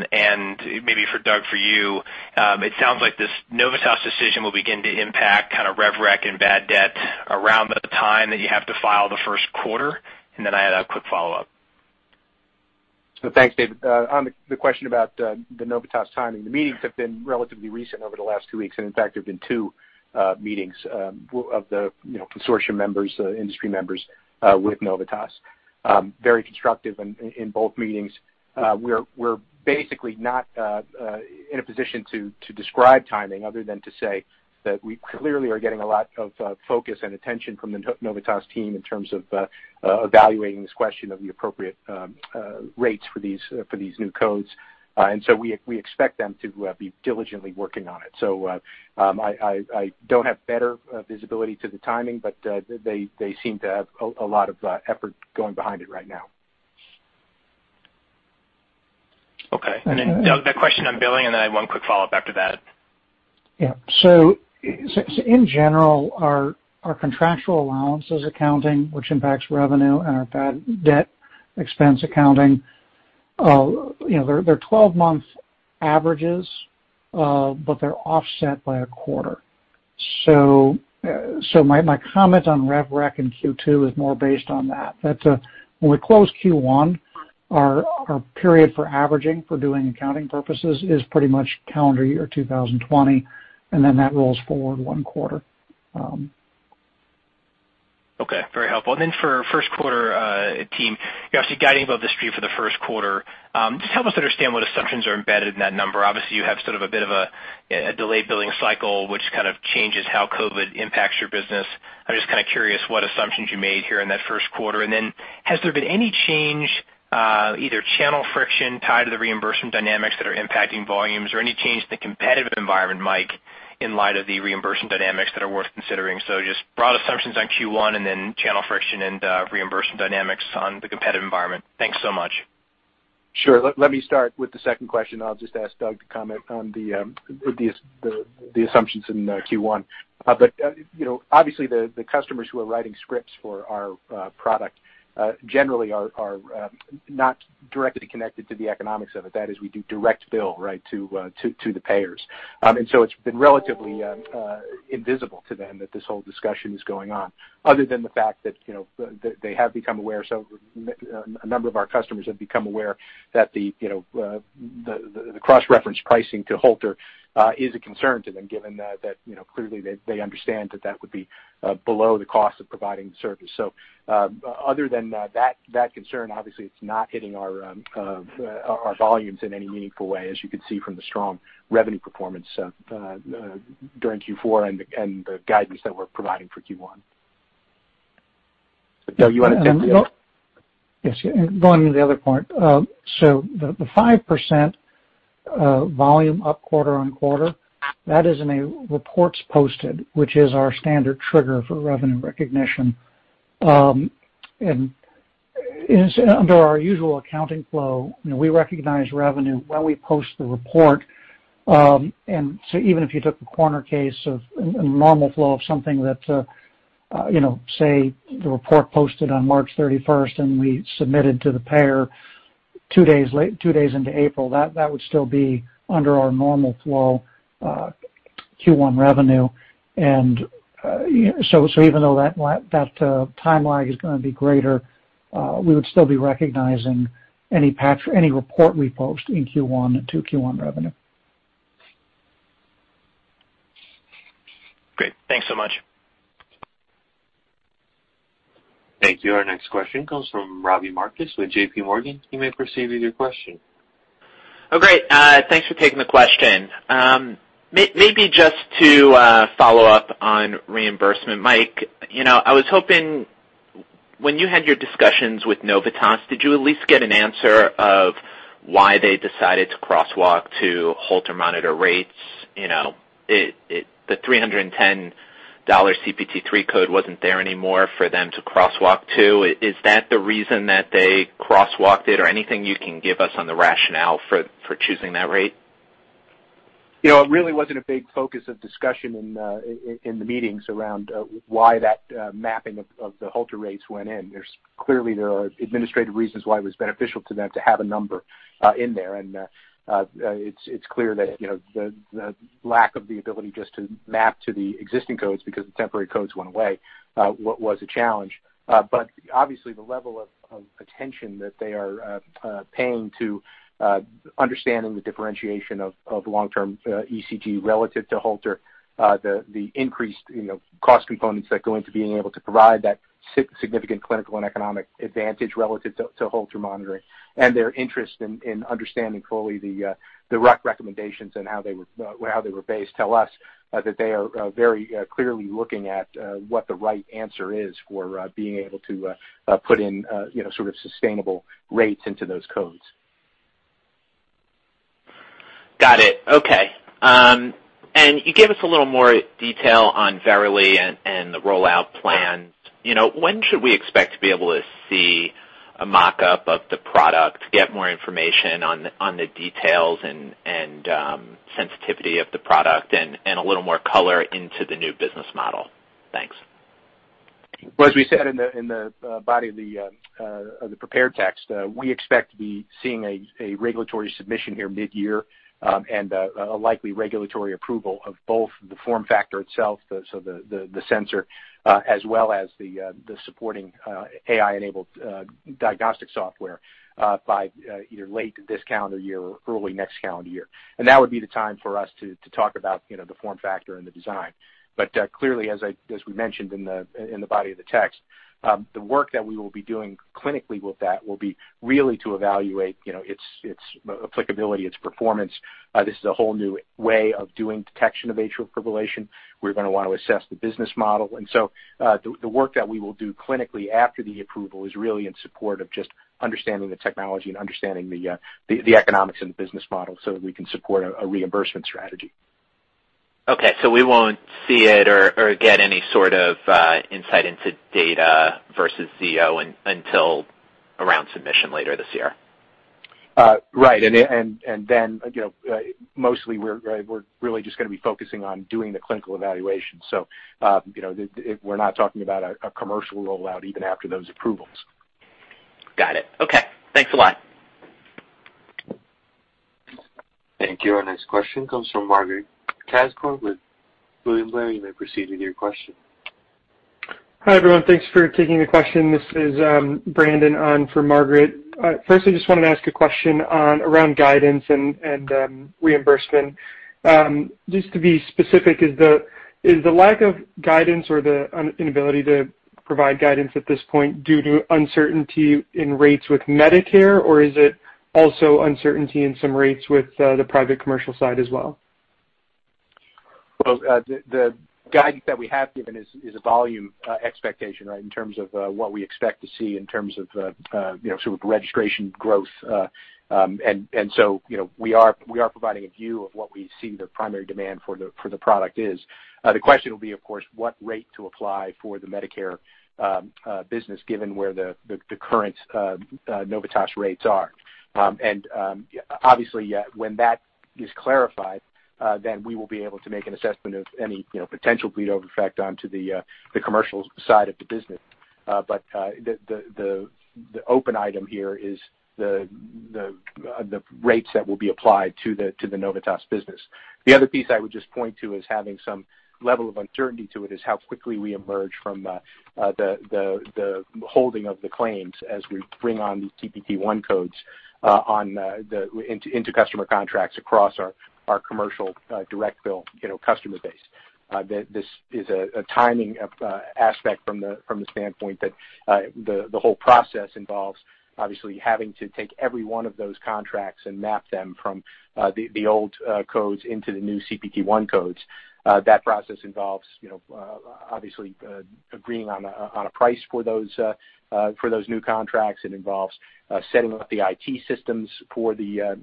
Maybe for Doug, for you, it sounds like this Novitas decision will begin to impact kind of rev rec and bad debt around the time that you have to file the first quarter. I had a quick follow-up. Thanks, David. On the question about the Novitas timing, the meetings have been relatively recent over the last two weeks. In fact, there have been two meetings of the consortium members, industry members with Novitas. Very constructive in both meetings. We're basically not in a position to describe timing other than to say that we clearly are getting a lot of focus and attention from the Novitas team in terms of evaluating this question of the appropriate rates for these new codes. We expect them to be diligently working on it. I don't have better visibility to the timing, but they seem to have a lot of effort going behind it right now. Okay. Doug, that question on billing, and then I have one quick follow-up after that. In general, our contractual allowances accounting, which impacts revenue and our bad debt expense accounting, they're 12-month averages, but they're offset by a quarter. My comment on rev rec in Q2 is more based on that. When we close Q1, our period for averaging for doing accounting purposes is pretty much calendar year 2020, and then that rolls forward one quarter. Okay. Very helpful. For first quarter, team, you're obviously guiding above the street for the first quarter. Just help us understand what assumptions are embedded in that number. Obviously, you have sort of a bit of a delayed billing cycle, which kind of changes how COVID impacts your business. I'm just kind of curious what assumptions you made here in that first quarter. Has there been any change, either channel friction tied to the reimbursement dynamics that are impacting volumes or any change in the competitive environment, Mike, in light of the reimbursement dynamics that are worth considering? Just broad assumptions on Q1 and then channel friction and reimbursement dynamics on the competitive environment. Thanks so much. Sure. Let me start with the second question. I'll just ask Doug to comment on the assumptions in Q1. Obviously the customers who are writing scripts for our product generally are not directly connected to the economics of it. That is, we do direct bill, right, to the payers. It's been relatively invisible to them that this whole discussion is going on, other than the fact that they have become aware. A number of our customers have become aware that the cross-reference pricing to Holter is a concern to them, given that clearly they understand that that would be below the cost of providing the service. Other than that concern, obviously it's not hitting our volumes in any meaningful way, as you can see from the strong revenue performance during Q4 and the guidance that we're providing for Q1. Doug, you want to jump in? Going to the other point. The 5% volume up quarter-on-quarter, that is in reports posted, which is our standard trigger for revenue recognition. Under our usual accounting flow, we recognize revenue when we post the report. Even if you took a corner case of a normal flow of something that, say the report posted on March 31st and we submitted to the payer two days into April, that would still be under our normal flow Q1 revenue. Even though that timeline is going to be greater, we would still be recognizing any report we post in Q1 to Q1 revenue. Great. Thanks so much. Thank you. Our next question comes from Robbie Marcus with JPMorgan. You may proceed with your question. Oh, great. Thanks for taking the question. Maybe just to follow up on reimbursement. Mike, I was hoping when you had your discussions with Novitas, did you at least get an answer of why they decided to crosswalk to Holter monitor rates? The $310 CPT III code wasn't there anymore for them to crosswalk to. Is that the reason that they crosswalked it or anything you can give us on the rationale for choosing that rate? It really wasn't a big focus of discussion in the meetings around why that mapping of the Holter rates went in. Clearly, there are administrative reasons why it was beneficial to them to have a number in there, and it's clear that the lack of the ability just to map to the existing codes because the temporary codes went away, was a challenge. Obviously the level of attention that they are paying to understanding the differentiation of long-term ECG relative to Holter, the increased cost components that go into being able to provide that significant clinical and economic advantage relative to Holter monitoring and their interest in understanding fully the RUC recommendations and how they were based tell us that they are very clearly looking at what the right answer is for being able to put in sustainable rates into those codes. Got it. Okay. You gave us a little more detail on Verily and the rollout plan. When should we expect to be able to see a mock-up of the product, get more information on the details and sensitivity of the product and a little more color into the new business model? Thanks. Well, as we said in the body of the prepared text, we expect to be seeing a regulatory submission here mid-year, a likely regulatory approval of both the form factor itself, so the sensor, as well as the supporting AI-enabled diagnostic software by either late this calendar year or early next calendar year. That would be the time for us to talk about the form factor and the design. Clearly, as we mentioned in the body of the text, the work that we will be doing clinically with that will be really to evaluate its applicability, its performance. This is a whole new way of doing detection of atrial fibrillation. We're going to want to assess the business model. The work that we will do clinically after the approval is really in support of just understanding the technology and understanding the economics and the business model so that we can support a reimbursement strategy. Okay, we won't see it or get any sort of insight into data versus CO until around submission later this year. Right. Mostly we're really just going to be focusing on doing the clinical evaluation. We're not talking about a commercial rollout even after those approvals. Got it. Okay. Thanks a lot. Thank you. Our next question comes from Margaret Kaczor with William Blair. You may proceed with your question. Hi, everyone. Thanks for taking the question. This is Brandon on for Margaret. Firstly, I just wanted to ask a question around guidance and reimbursement. Just to be specific, is the lack of guidance or the inability to provide guidance at this point due to uncertainty in rates with Medicare, or is it also uncertainty in some rates with the private commercial side as well? Well, the guidance that we have given is a volume expectation in terms of what we expect to see in terms of sort of registration growth. We are providing a view of what we see the primary demand for the product is. The question will be, of course, what rate to apply for the Medicare business, given where the current Novitas rates are. Obviously, when that is clarified, then we will be able to make an assessment of any potential bleed over effect onto the commercial side of the business. The open item here is the rates that will be applied to the Novitas business. The other piece I would just point to as having some level of uncertainty to it is how quickly we emerge from the holding of the claims as we bring on these CPT I codes into customer contracts across our commercial direct bill customer base. This is a timing aspect from the standpoint that the whole process involves obviously having to take every one of those contracts and map them from the old codes into the new CPT I codes. That process involves obviously agreeing on a price for those new contracts. It involves setting up the IT systems for the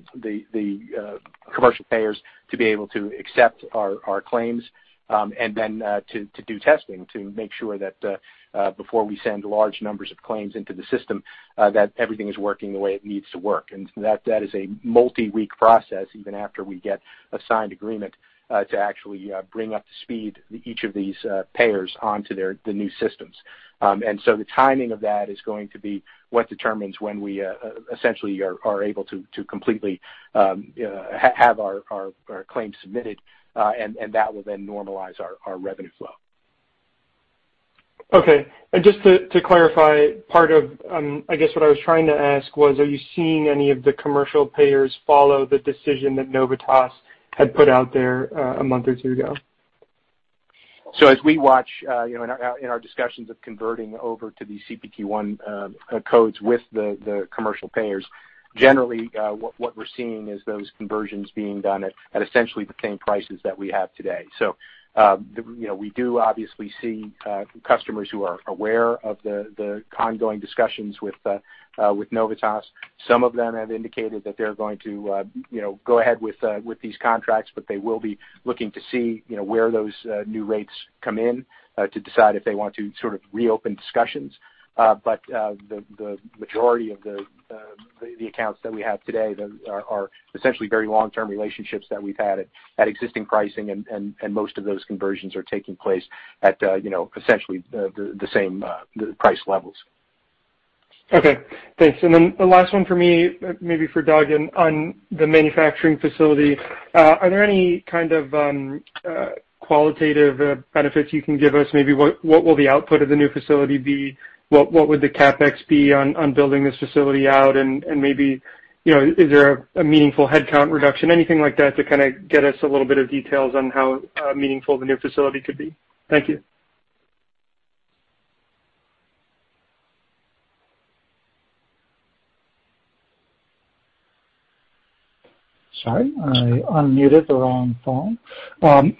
commercial payers to be able to accept our claims, and then to do testing to make sure that before we send large numbers of claims into the system, that everything is working the way it needs to work. That is a multi-week process, even after we get a signed agreement to actually bring up to speed each of these payers onto the new systems. The timing of that is going to be what determines when we essentially are able to completely have our claims submitted, and that will normalize our revenue flow. Okay. Just to clarify, part of, I guess what I was trying to ask was, are you seeing any of the commercial payers follow the decision that Novitas had put out there a month or two ago? As we watch in our discussions of converting over to these CPT I codes with the commercial payers, generally, what we're seeing is those conversions being done at essentially the same prices that we have today. We do obviously see customers who are aware of the ongoing discussions with Novitas. Some of them have indicated that they're going to go ahead with these contracts, but they will be looking to see where those new rates come in to decide if they want to sort of reopen discussions. The majority of the accounts that we have today are essentially very long-term relationships that we've had at existing pricing, and most of those conversions are taking place at essentially the same price levels. Okay, thanks. The last one for me, maybe for Doug, on the manufacturing facility. Are there any kind of qualitative benefits you can give us? Maybe what will the output of the new facility be? What would the CapEx be on building this facility out, and maybe is there a meaningful headcount reduction? Anything like that to kind of get us a little bit of details on how meaningful the new facility could be. Thank you. Sorry, I unmuted the wrong phone. Going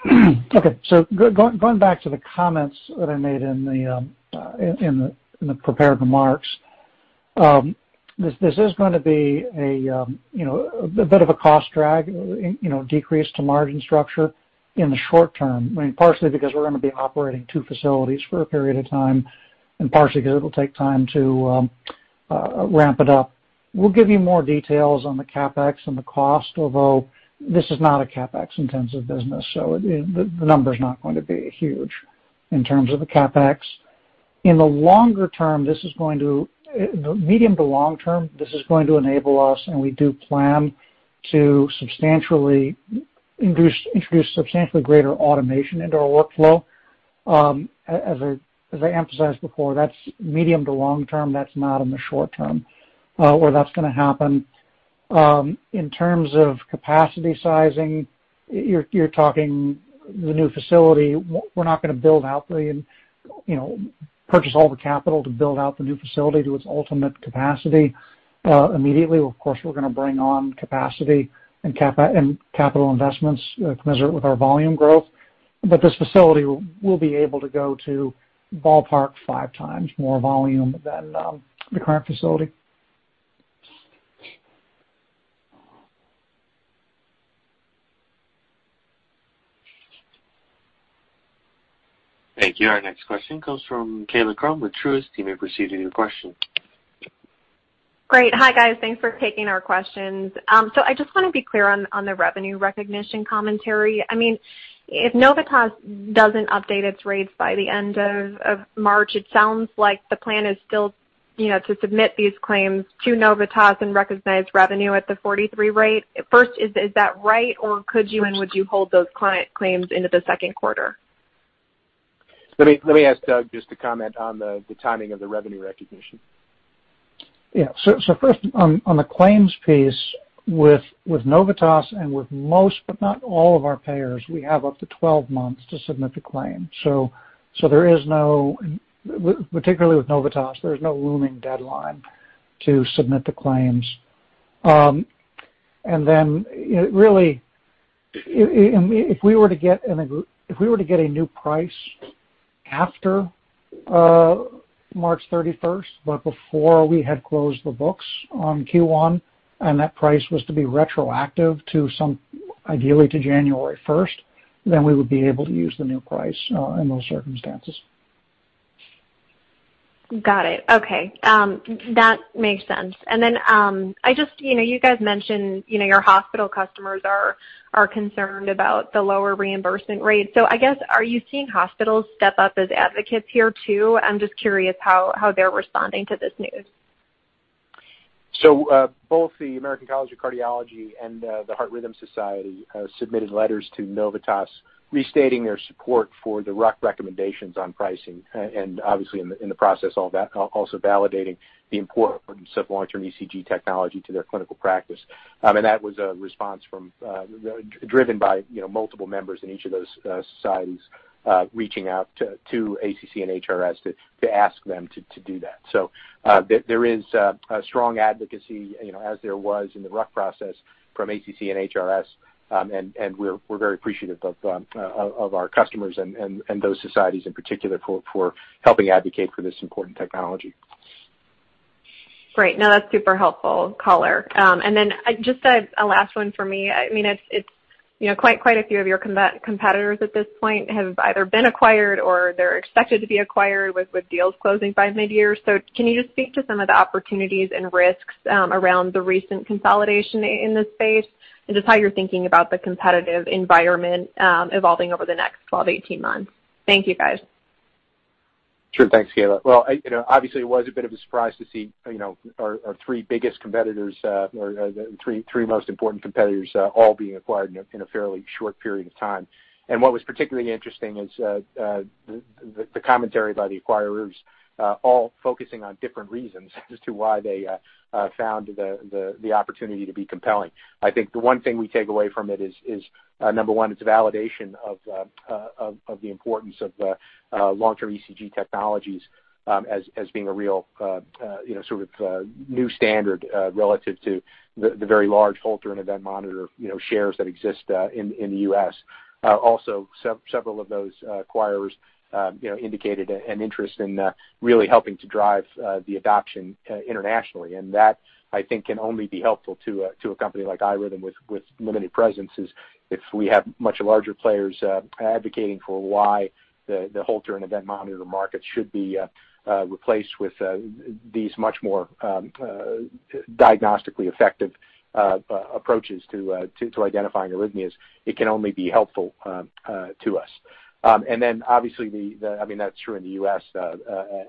back to the comments that I made in the prepared remarks. This is going to be a bit of a cost drag, decrease to margin structure in the short term, partially because we're going to be operating two facilities for a period of time, and partially because it'll take time to ramp it up. We'll give you more details on the CapEx and the cost, although this is not a CapEx-intensive business, so the number's not going to be huge in terms of the CapEx. In the medium to long term, this is going to enable us, and we do plan to introduce substantially greater automation into our workflow. As I emphasized before, that's medium to long term. That's not in the short term where that's going to happen. In terms of capacity sizing, you're talking the new facility. We're not going to purchase all the capital to build out the new facility to its ultimate capacity immediately. Of course, we're going to bring on capacity and capital investments commensurate with our volume growth. This facility will be able to go to ballpark five times more volume than the current facility. Thank you. Our next question comes from Kaila Krum with Truist. You may proceed with your question. Great. Hi, guys. Thanks for taking our questions. I just want to be clear on the revenue recognition commentary. If Novitas doesn't update its rates by the end of March, it sounds like the plan is still to submit these claims to Novitas and recognize revenue at the 43 rate. First, is that right? Or could you and would you hold those claims into the second quarter? Let me ask Doug just to comment on the timing of the revenue recognition. Yeah. First, on the claims piece with Novitas and with most, but not all of our payers, we have up to 12 months to submit the claim. Particularly with Novitas, there's no looming deadline to submit the claims. If we were to get a new price after March 31st, but before we had closed the books on Q1, and that price was to be retroactive ideally to January 1st, then we would be able to use the new price in those circumstances. Got it. Okay. That makes sense. Then you guys mentioned your hospital customers are concerned about the lower reimbursement rate. I guess, are you seeing hospitals step up as advocates here, too? I'm just curious how they're responding to this news. Both the American College of Cardiology and the Heart Rhythm Society submitted letters to Novitas restating their support for the RUC recommendations on pricing, and obviously in the process, also validating the importance of long-term ECG technology to their clinical practice. That was a response driven by multiple members in each of those societies reaching out to ACC and HRS to ask them to do that. There is a strong advocacy as there was in the RUC process from ACC and HRS. We're very appreciative of our customers and those societies in particular for helping advocate for this important technology. Great. No, that's super helpful color. Just a last one for me. Quite a few of your competitors at this point have either been acquired or they're expected to be acquired with deals closing by mid-year. Can you just speak to some of the opportunities and risks around the recent consolidation in this space, and just how you're thinking about the competitive environment evolving over the next 12, 18 months? Thank you, guys. Sure. Thanks, Kaila. Well, obviously it was a bit of a surprise to see our three biggest competitors or the three most important competitors all being acquired in a fairly short period of time. What was particularly interesting is the commentary by the acquirers all focusing on different reasons as to why they found the opportunity to be compelling. I think the one thing we take away from it is, number one, it's a validation of the importance of long-term ECG technologies as being a real sort of new standard relative to the very large Holter and event monitor shares that exist in the U.S. Also, several of those acquirers indicated an interest in really helping to drive the adoption internationally. That, I think, can only be helpful to a company like iRhythm with limited presence is if we have much larger players advocating for why the Holter and event monitor market should be replaced with these much more diagnostically effective approaches to identifying arrhythmias. It can only be helpful to us. Obviously, that's true in the U.S.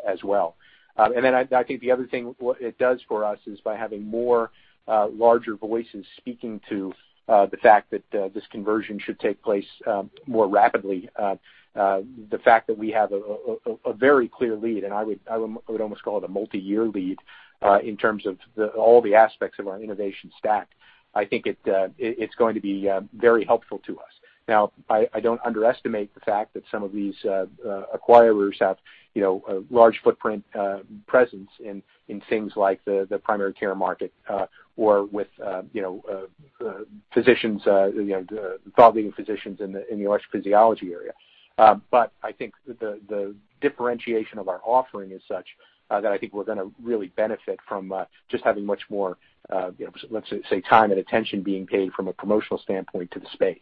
as well. I think the other thing it does for us is by having more larger voices speaking to the fact that this conversion should take place more rapidly, the fact that we have a very clear lead, and I would almost call it a multi-year lead in terms of all the aspects of our innovation stack. I think it's going to be very helpful to us. I don't underestimate the fact that some of these acquirers have a large footprint presence in things like the primary care market or with thought leading physicians in the electrophysiology area. I think the differentiation of our offering is such that I think we're going to really benefit from just having much more, let's say, time and attention being paid from a promotional standpoint to the space.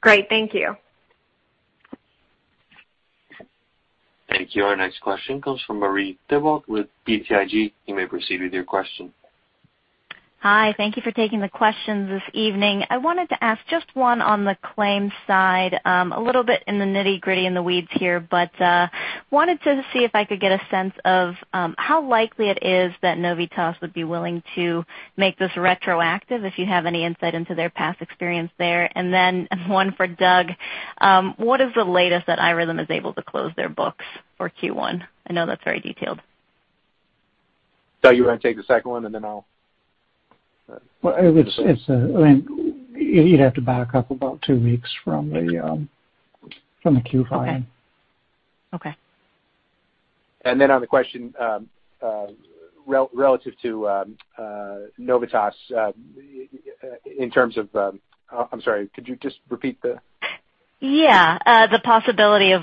Great. Thank you. Thank you. Our next question comes from Marie Thibault with BTIG. You may proceed with your question. Hi. Thank you for taking the questions this evening. I wanted to ask just one on the claims side. A little bit in the nitty-gritty in the weeds here, wanted to see if I could get a sense of how likely it is that Novitas would be willing to make this retroactive, if you have any insight into their past experience there. One for Doug, what is the latest that iRhythm is able to close their books for Q1? I know that's very detailed. Doug, you want to take the second one. Well, you'd have to back up about two weeks from the Q-file. Okay. On the question relative to Novitas, I'm sorry, could you just repeat the? Yeah. The possibility of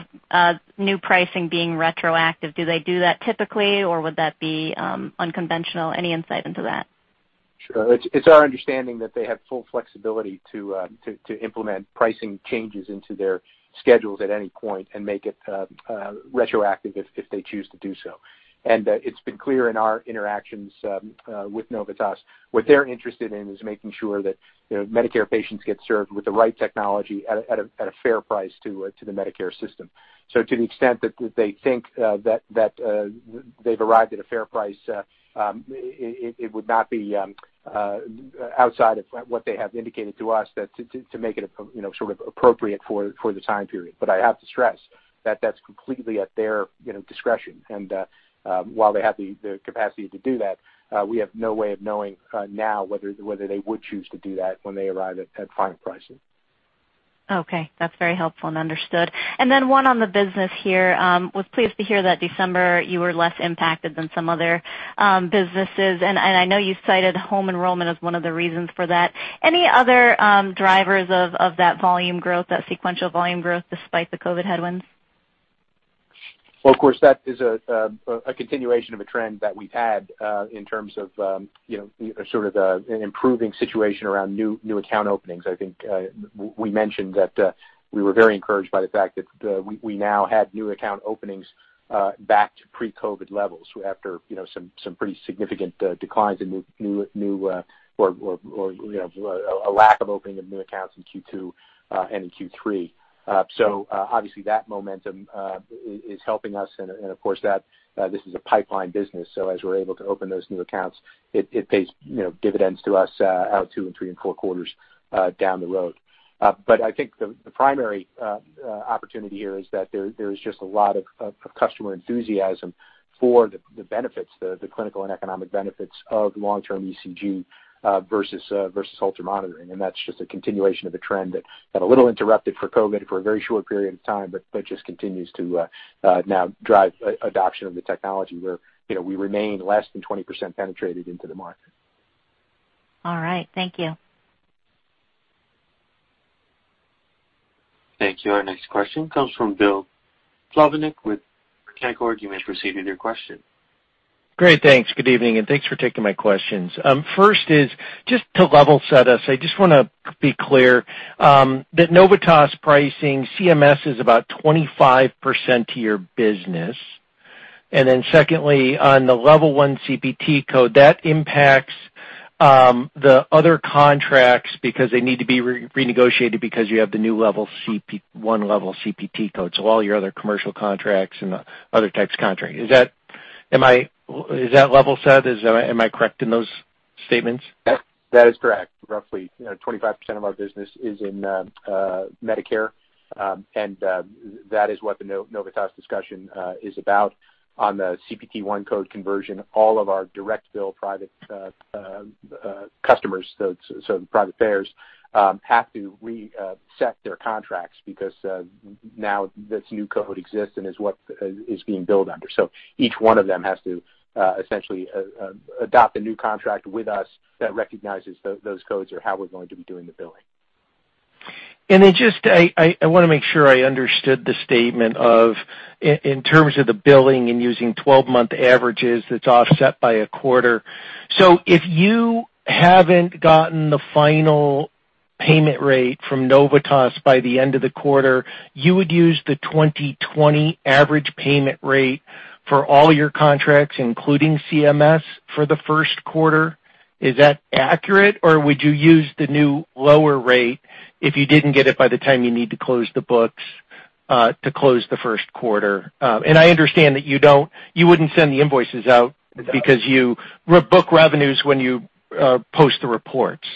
new pricing being retroactive, do they do that typically, or would that be unconventional? Any insight into that? Sure. It's our understanding that they have full flexibility to implement pricing changes into their schedules at any point and make it retroactive if they choose to do so. It's been clear in our interactions with Novitas, what they're interested in is making sure that Medicare patients get served with the right technology at a fair price to the Medicare system. To the extent that they think that they've arrived at a fair price, it would not be outside of what they have indicated to us to make it sort of appropriate for the time period. I have to stress that that's completely at their discretion. While they have the capacity to do that, we have no way of knowing now whether they would choose to do that when they arrive at final pricing. Okay. That's very helpful and understood. One on the business here. I was pleased to hear that December you were less impacted than some other businesses, and I know you cited home enrollment as one of the reasons for that. Any other drivers of that volume growth, that sequential volume growth despite the COVID headwinds? Well, of course, that is a continuation of a trend that we've had in terms of sort of an improving situation around new account openings. I think we mentioned that we were very encouraged by the fact that we now had new account openings back to pre-COVID levels after some pretty significant declines in new or a lack of opening of new accounts in Q2 and in Q3. Obviously that momentum is helping us and, of course this is a pipeline business, so as we're able to open those new accounts, it pays dividends to us out two and three and four quarters down the road. I think the primary opportunity here is that there is just a lot of customer enthusiasm for the benefits, the clinical and economic benefits of long-term ECG versus Holter monitoring. That's just a continuation of a trend that got a little interrupted for COVID for a very short period of time, but just continues to now drive adoption of the technology where we remain less than 20% penetrated into the market. All right. Thank you. Thank you. Our next question comes from Bill Plovanic with Canaccord. You may proceed with your question. Great. Thanks. Good evening, and thanks for taking my questions. First is just to level set us, I just want to be clear that Novitas pricing CMS is about 25% to your business. Secondly, on the Level 1 CPT code, that impacts the other contracts because they need to be renegotiated because you have the new Level 1 CPT code. All your other commercial contracts and other types of contracts. Is that level set? Am I correct in those statements? That is correct. Roughly 25% of our business is in Medicare. That is what the Novitas discussion is about. On the CPT I code conversion, all of our direct bill private customers, so private payers, have to reset their contracts because now this new code exists and is what is being billed under. Each one of them has to essentially adopt a new contract with us that recognizes those codes or how we're going to be doing the billing. I want to make sure I understood the statement in terms of the billing and using 12-month averages that's offset by a quarter. If you haven't gotten the final payment rate from Novitas by the end of the quarter, you would use the 2020 average payment rate for all your contracts, including CMS, for the first quarter. Is that accurate, or would you use the new lower rate if you didn't get it by the time you need to close the books to close the first quarter? I understand that you wouldn't send the invoices out because you book revenues when you post the reports.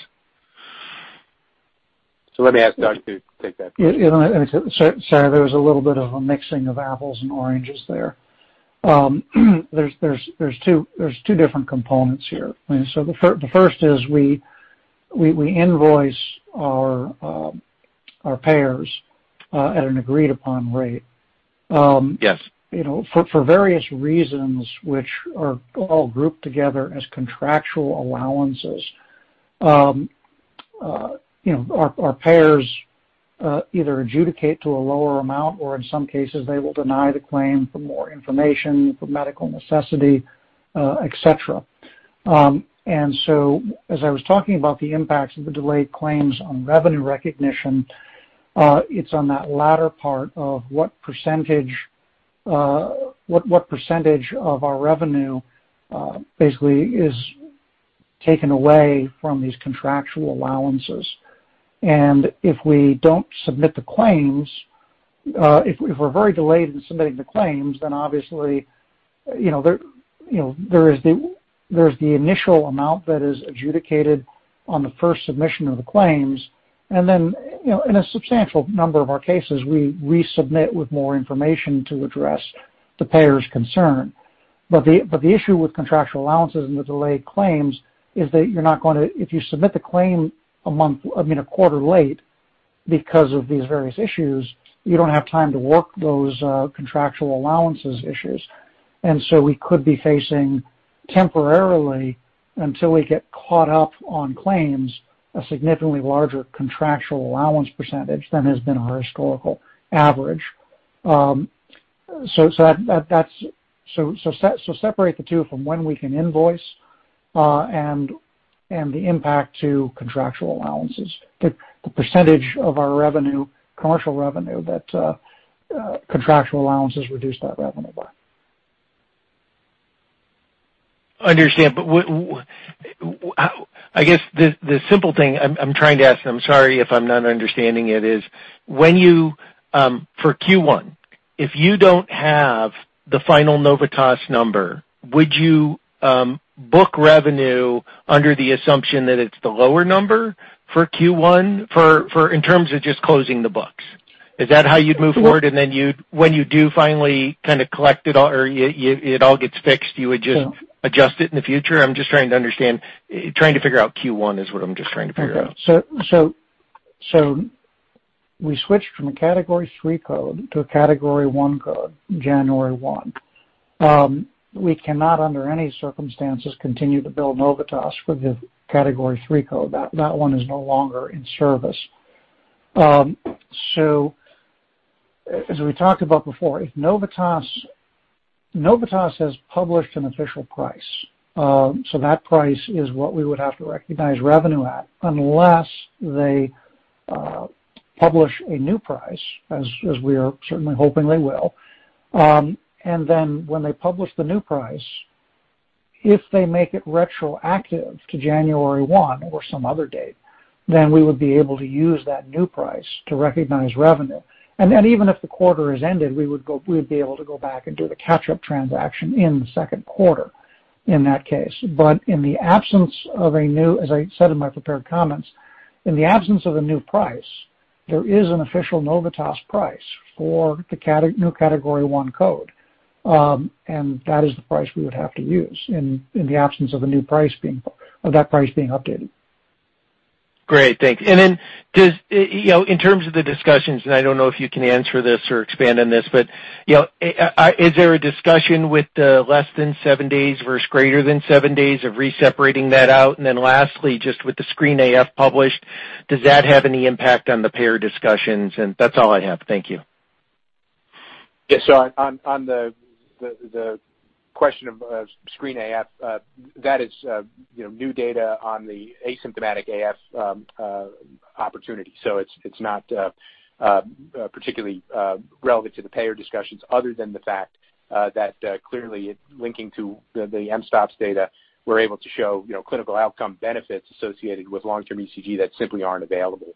Let me ask Doug to take that. Sorry, there was a little bit of a mixing of apples and oranges there. There's two different components here. The first is we invoice our payers at an agreed-upon rate. Yes. For various reasons, which are all grouped together as contractual allowances, our payers either adjudicate to a lower amount, or in some cases, they will deny the claim for more information, for medical necessity, et cetera. As I was talking about the impacts of the delayed claims on revenue recognition, it's on that latter part of what percentage of our revenue basically is taken away from these contractual allowances. If we don't submit the claims, if we're very delayed in submitting the claims, then obviously there's the initial amount that is adjudicated on the first submission of the claims. In a substantial number of our cases, we resubmit with more information to address the payer's concern. The issue with contractual allowances and the delayed claims is that if you submit the claim a quarter late because of these various issues, you don't have time to work those contractual allowances issues. We could be facing temporarily, until we get caught up on claims, a significantly larger contractual allowance percentage than has been our historical average. Separate the two from when we can invoice and the impact to contractual allowances, the percentage of our commercial revenue that contractual allowances reduce that revenue by. I guess the simple thing I'm trying to ask, and I'm sorry if I'm not understanding it, is for Q1, if you don't have the final Novitas number, would you book revenue under the assumption that it's the lower number for Q1 in terms of just closing the books? Is that how you'd move forward, and then when you do finally collect it or it all gets fixed, you would just adjust it in the future? I'm just trying to understand. Trying to figure out Q1 is what I'm just trying to figure out. We switched from a Category III code to a Category I code January 1. We cannot, under any circumstances, continue to bill Novitas with the Category III code. That one is no longer in service. As we talked about before, if Novitas has published an official price, so that price is what we would have to recognize revenue at unless they publish a new price, as we are certainly hoping they will. When they publish the new price, if they make it retroactive to January 1 or some other date, then we would be able to use that new price to recognize revenue. Even if the quarter has ended, we would be able to go back and do the catch-up transaction in the second quarter in that case. In the absence of a new, as I said in my prepared comments, in the absence of a new price, there is an official Novitas price for the new Category I code. That is the price we would have to use in the absence of that price being updated. Great. Thanks. Just in terms of the discussions, I don't know if you can answer this or expand on this, is there a discussion with the less than seven days versus greater than seven days of re-separating that out? Lastly, just with the SCREEN-AF published, does that have any impact on the payer discussions? That's all I have. Thank you. Yeah. On the question of SCREEN-AF, that is new data on the asymptomatic AF opportunity. It's not particularly relevant to the payer discussions other than the fact that clearly linking to the mSToPS data, we're able to show clinical outcome benefits associated with long-term ECG that simply aren't available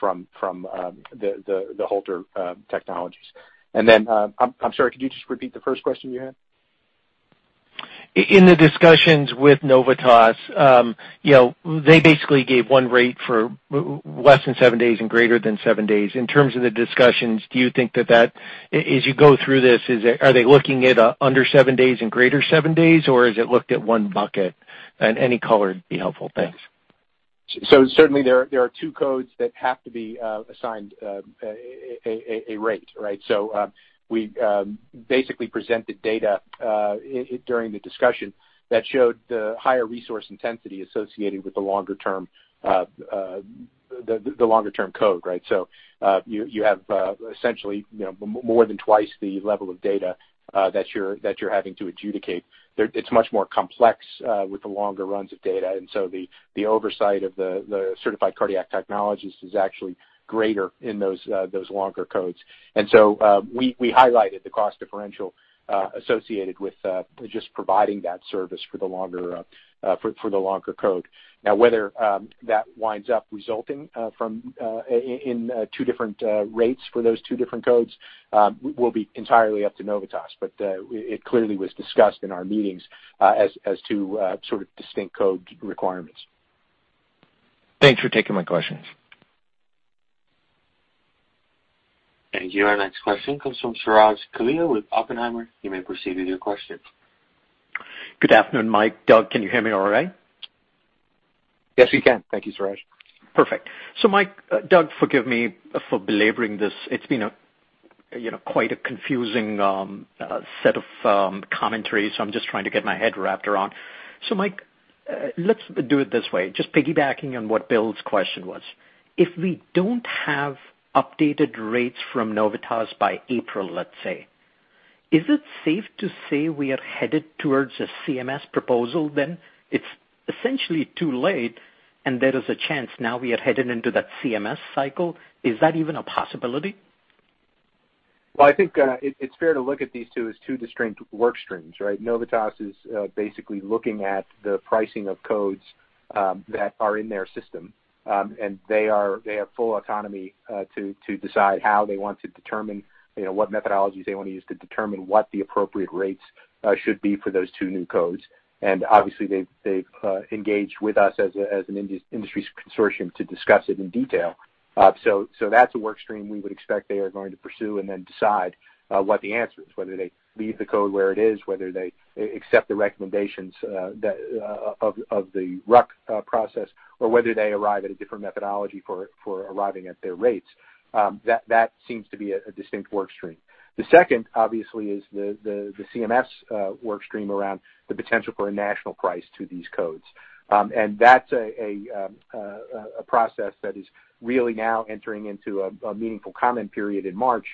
from the Holter technologies. I'm sorry, could you just repeat the first question you had? In the discussions with Novitas, they basically gave one rate for less than seven days and greater than seven days. In terms of the discussions, do you think that as you go through this, are they looking at under seven days and greater seven days, or is it looked at one bucket? Any color would be helpful. Thanks. Certainly there are two codes that have to be assigned a rate, right? We basically presented data during the discussion that showed the higher resource intensity associated with the longer-term code. You have essentially more than twice the level of data that you're having to adjudicate. It's much more complex with the longer runs of data, the oversight of the certified cardiac technologist is actually greater in those longer codes. We highlighted the cost differential associated with just providing that service for the longer code. Now, whether that winds up resulting in two different rates for those two different codes will be entirely up to Novitas. It clearly was discussed in our meetings as to sort of distinct code requirements. Thanks for taking my questions. Thank you. Our next question comes from Suraj Kalia with Oppenheimer. You may proceed with your question. Good afternoon, Mike, Doug. Can you hear me all right? Yes, we can. Thank you, Suraj. Perfect. Mike, Doug, forgive me for belaboring this. It's been quite a confusing set of commentaries, I'm just trying to get my head wrapped around. Mike, let's do it this way, just piggybacking on what Bill's question was. If we don't have updated rates from Novitas by April, let's say, is it safe to say we are headed towards a CMS proposal then? It's essentially too late, there is a chance now we are headed into that CMS cycle. Is that even a possibility? Well, I think it's fair to look at these two as two distinct work streams, right? Novitas is basically looking at the pricing of codes that are in their system. They have full autonomy to decide how they want to determine what methodologies they want to use to determine what the appropriate rates should be for those two new codes. Obviously, they've engaged with us as an industry consortium to discuss it in detail. That's a work stream we would expect they are going to pursue and then decide what the answer is, whether they leave the code where it is, whether they accept the recommendations of the RUC process, or whether they arrive at a different methodology for arriving at their rates. That seems to be a distinct work stream. The second, obviously, is the CMS work stream around the potential for a national price to these codes. That's a process that is really now entering into a meaningful comment period in March,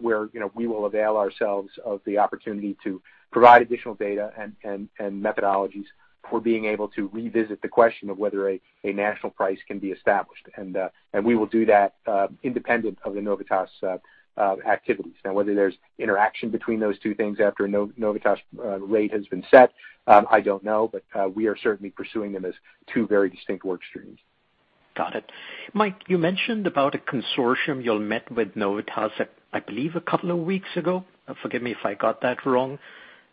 where we will avail ourselves of the opportunity to provide additional data and methodologies for being able to revisit the question of whether a national price can be established. We will do that independent of the Novitas activities. Now, whether there's interaction between those two things after Novitas rate has been set, I don't know, but we are certainly pursuing them as two very distinct work streams. Got it. Mike, you mentioned about a consortium you all met with Novitas, I believe, a couple of weeks ago. Forgive me if I got that wrong.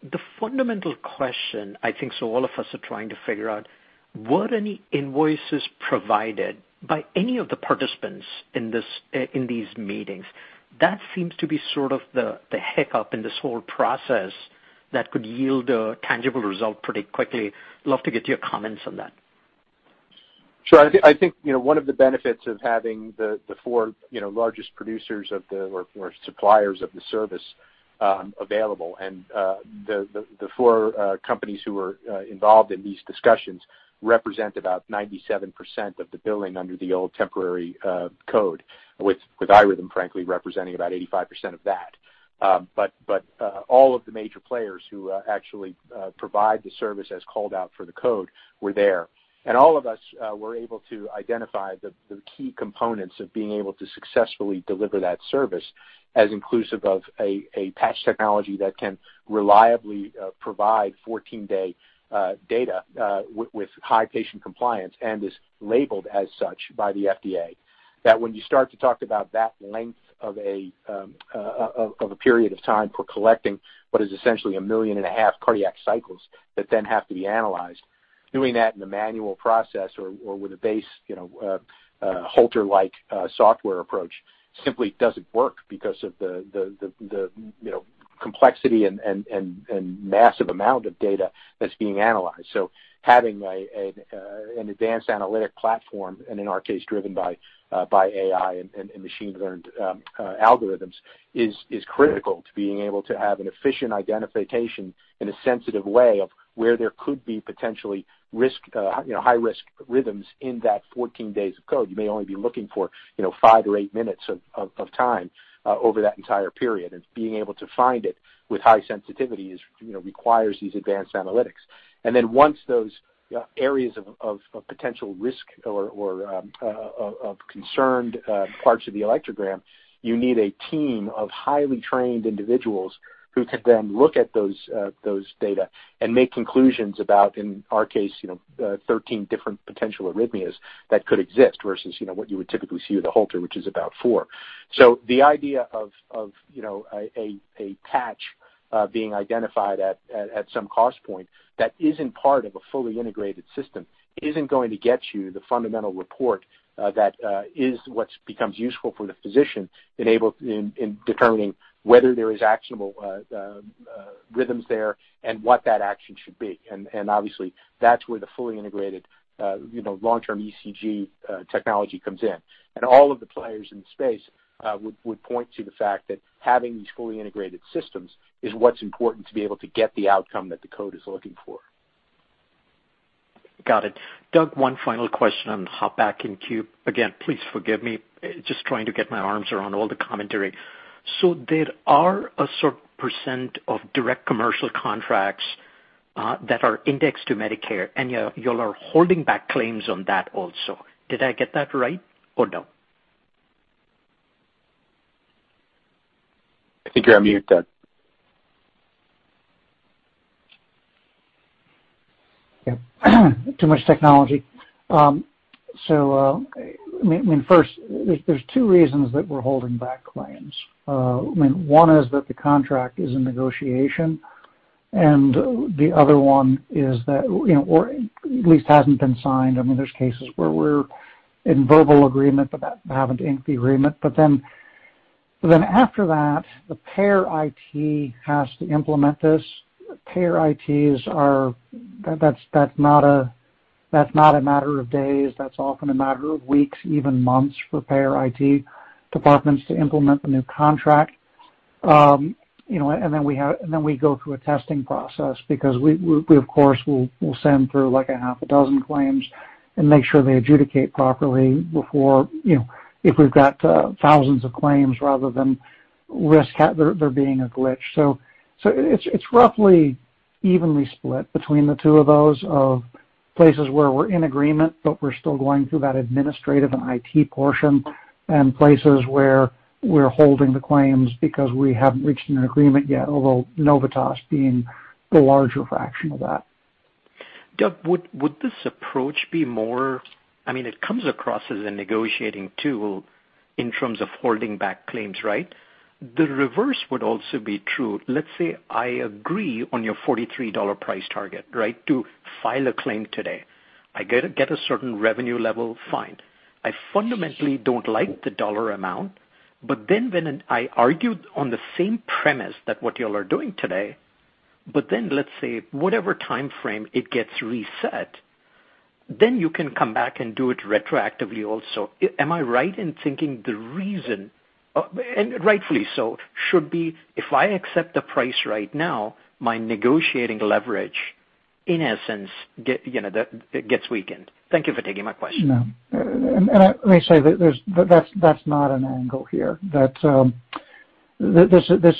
The fundamental question I think so all of us are trying to figure out, were any invoices provided by any of the participants in these meetings? That seems to be sort of the hiccup in this whole process that could yield a tangible result pretty quickly. Love to get your comments on that. Sure. I think one of the benefits of having the four largest producers or suppliers of the service available and the four companies who were involved in these discussions represent about 97% of the billing under the old temporary code, with iRhythm, frankly, representing about 85% of that. All of the major players who actually provide the service as called out for the code were there. All of us were able to identify the key components of being able to successfully deliver that service as inclusive of a patch technology that can reliably provide 14-day data with high patient compliance and is labeled as such by the FDA. When you start to talk about that length of a period of time for collecting what is essentially 1.5 million cardiac cycles that then have to be analyzed, doing that in a manual process or with a base Holter-like software approach simply doesn't work because of the complexity and massive amount of data that's being analyzed. Having an advanced analytic platform, and in our case, driven by AI and machine-learned algorithms, is critical to being able to have an efficient identification in a sensitive way of where there could be potentially high-risk rhythms in that 14 days of code. You may only be looking for five to eight minutes of time over that entire period, and being able to find it with high sensitivity requires these advanced analytics. Once those areas of potential risk or of concerned parts of the electrogram, you need a team of highly trained individuals who can then look at those data and make conclusions about, in our case, 13 different potential arrhythmias that could exist versus what you would typically see with a Holter, which is about four. The idea of a patch being identified at some cost point that isn't part of a fully integrated system isn't going to get you the fundamental report that is what becomes useful for the physician in determining whether there is actionable rhythms there and what that action should be. Obviously, that's where the fully integrated long-term ECG technology comes in. All of the players in the space would point to the fact that having these fully integrated systems is what's important to be able to get the outcome that the code is looking for. Got it. Doug, one final question and hop back in queue. Again, please forgive me, just trying to get my arms around all the commentary. There are a certain percent of direct commercial contracts that are indexed to Medicare, and you all are holding back claims on that also. Did I get that right or no? I think you're on mute, Doug. Yeah. Too much technology. First, there's two reasons that we're holding back claims. One is that the contract is in negotiation, or at least hasn't been signed. There's cases where we're in verbal agreement, but haven't inked the agreement. After that, the Payer IT has to implement this. Payer IT, that's not a matter of days, that's often a matter of weeks, even months for Payer IT departments to implement the new contract. We go through a testing process because we, of course, will send through a half a dozen claims and make sure they adjudicate properly if we've got thousands of claims rather than risk there being a glitch. It's roughly evenly split between the two of those, of places where we're in agreement, but we're still going through that administrative and IT portion, and places where we're holding the claims because we haven't reached an agreement yet, although Novitas being the larger fraction of that. Doug, It comes across as a negotiating tool in terms of holding back claims, right? The reverse would also be true. Let's say I agree on your $43 price target, right? To file a claim today. I get a certain revenue level, fine. I fundamentally don't like the dollar amount, when I argued on the same premise that what you all are doing today, let's say whatever timeframe it gets reset, then you can come back and do it retroactively also. Am I right in thinking the reason, and rightfully so, should be if I accept the price right now, my negotiating leverage, in essence, gets weakened. Thank you for taking my question. No. Let me say, that's not an angle here. This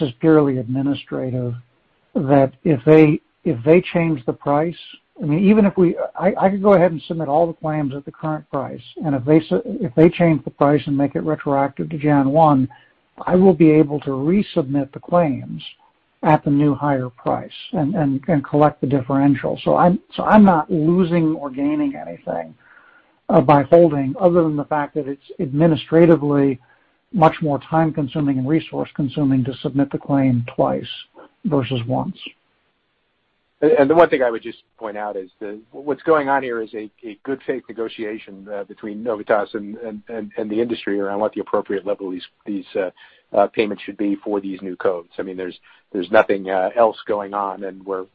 is purely administrative, that if they change the price, I could go ahead and submit all the claims at the current price, and if they change the price and make it retroactive to January 1, I will be able to resubmit the claims at the new higher price and collect the differential. I'm not losing or gaining anything by holding other than the fact that it's administratively much more time-consuming and resource-consuming to submit the claim twice versus once. The one thing I would just point out is what's going on here is a good faith negotiation between Novitas and the industry around what the appropriate level these payments should be for these new codes. There's nothing else going on, and we're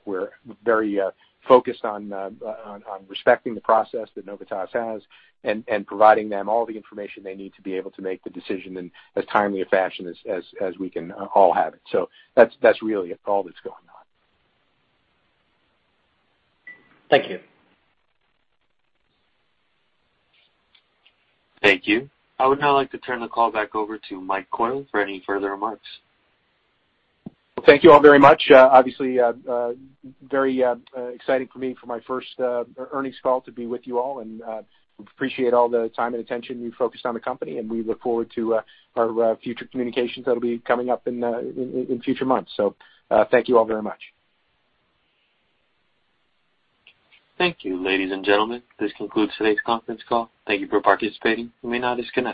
very focused on respecting the process that Novitas has and providing them all the information they need to be able to make the decision in as timely a fashion as we can all have it. That's really all that's going on. Thank you. Thank you. I would now like to turn the call back over to Mike Coyle for any further remarks. Well, thank you all very much. Obviously, very exciting for me for my first earnings call to be with you all, and appreciate all the time and attention you focused on the company, and we look forward to our future communications that'll be coming up in future months. Thank you all very much. Thank you, ladies and gentlemen. This concludes today's conference call. Thank you for participating. You may now disconnect.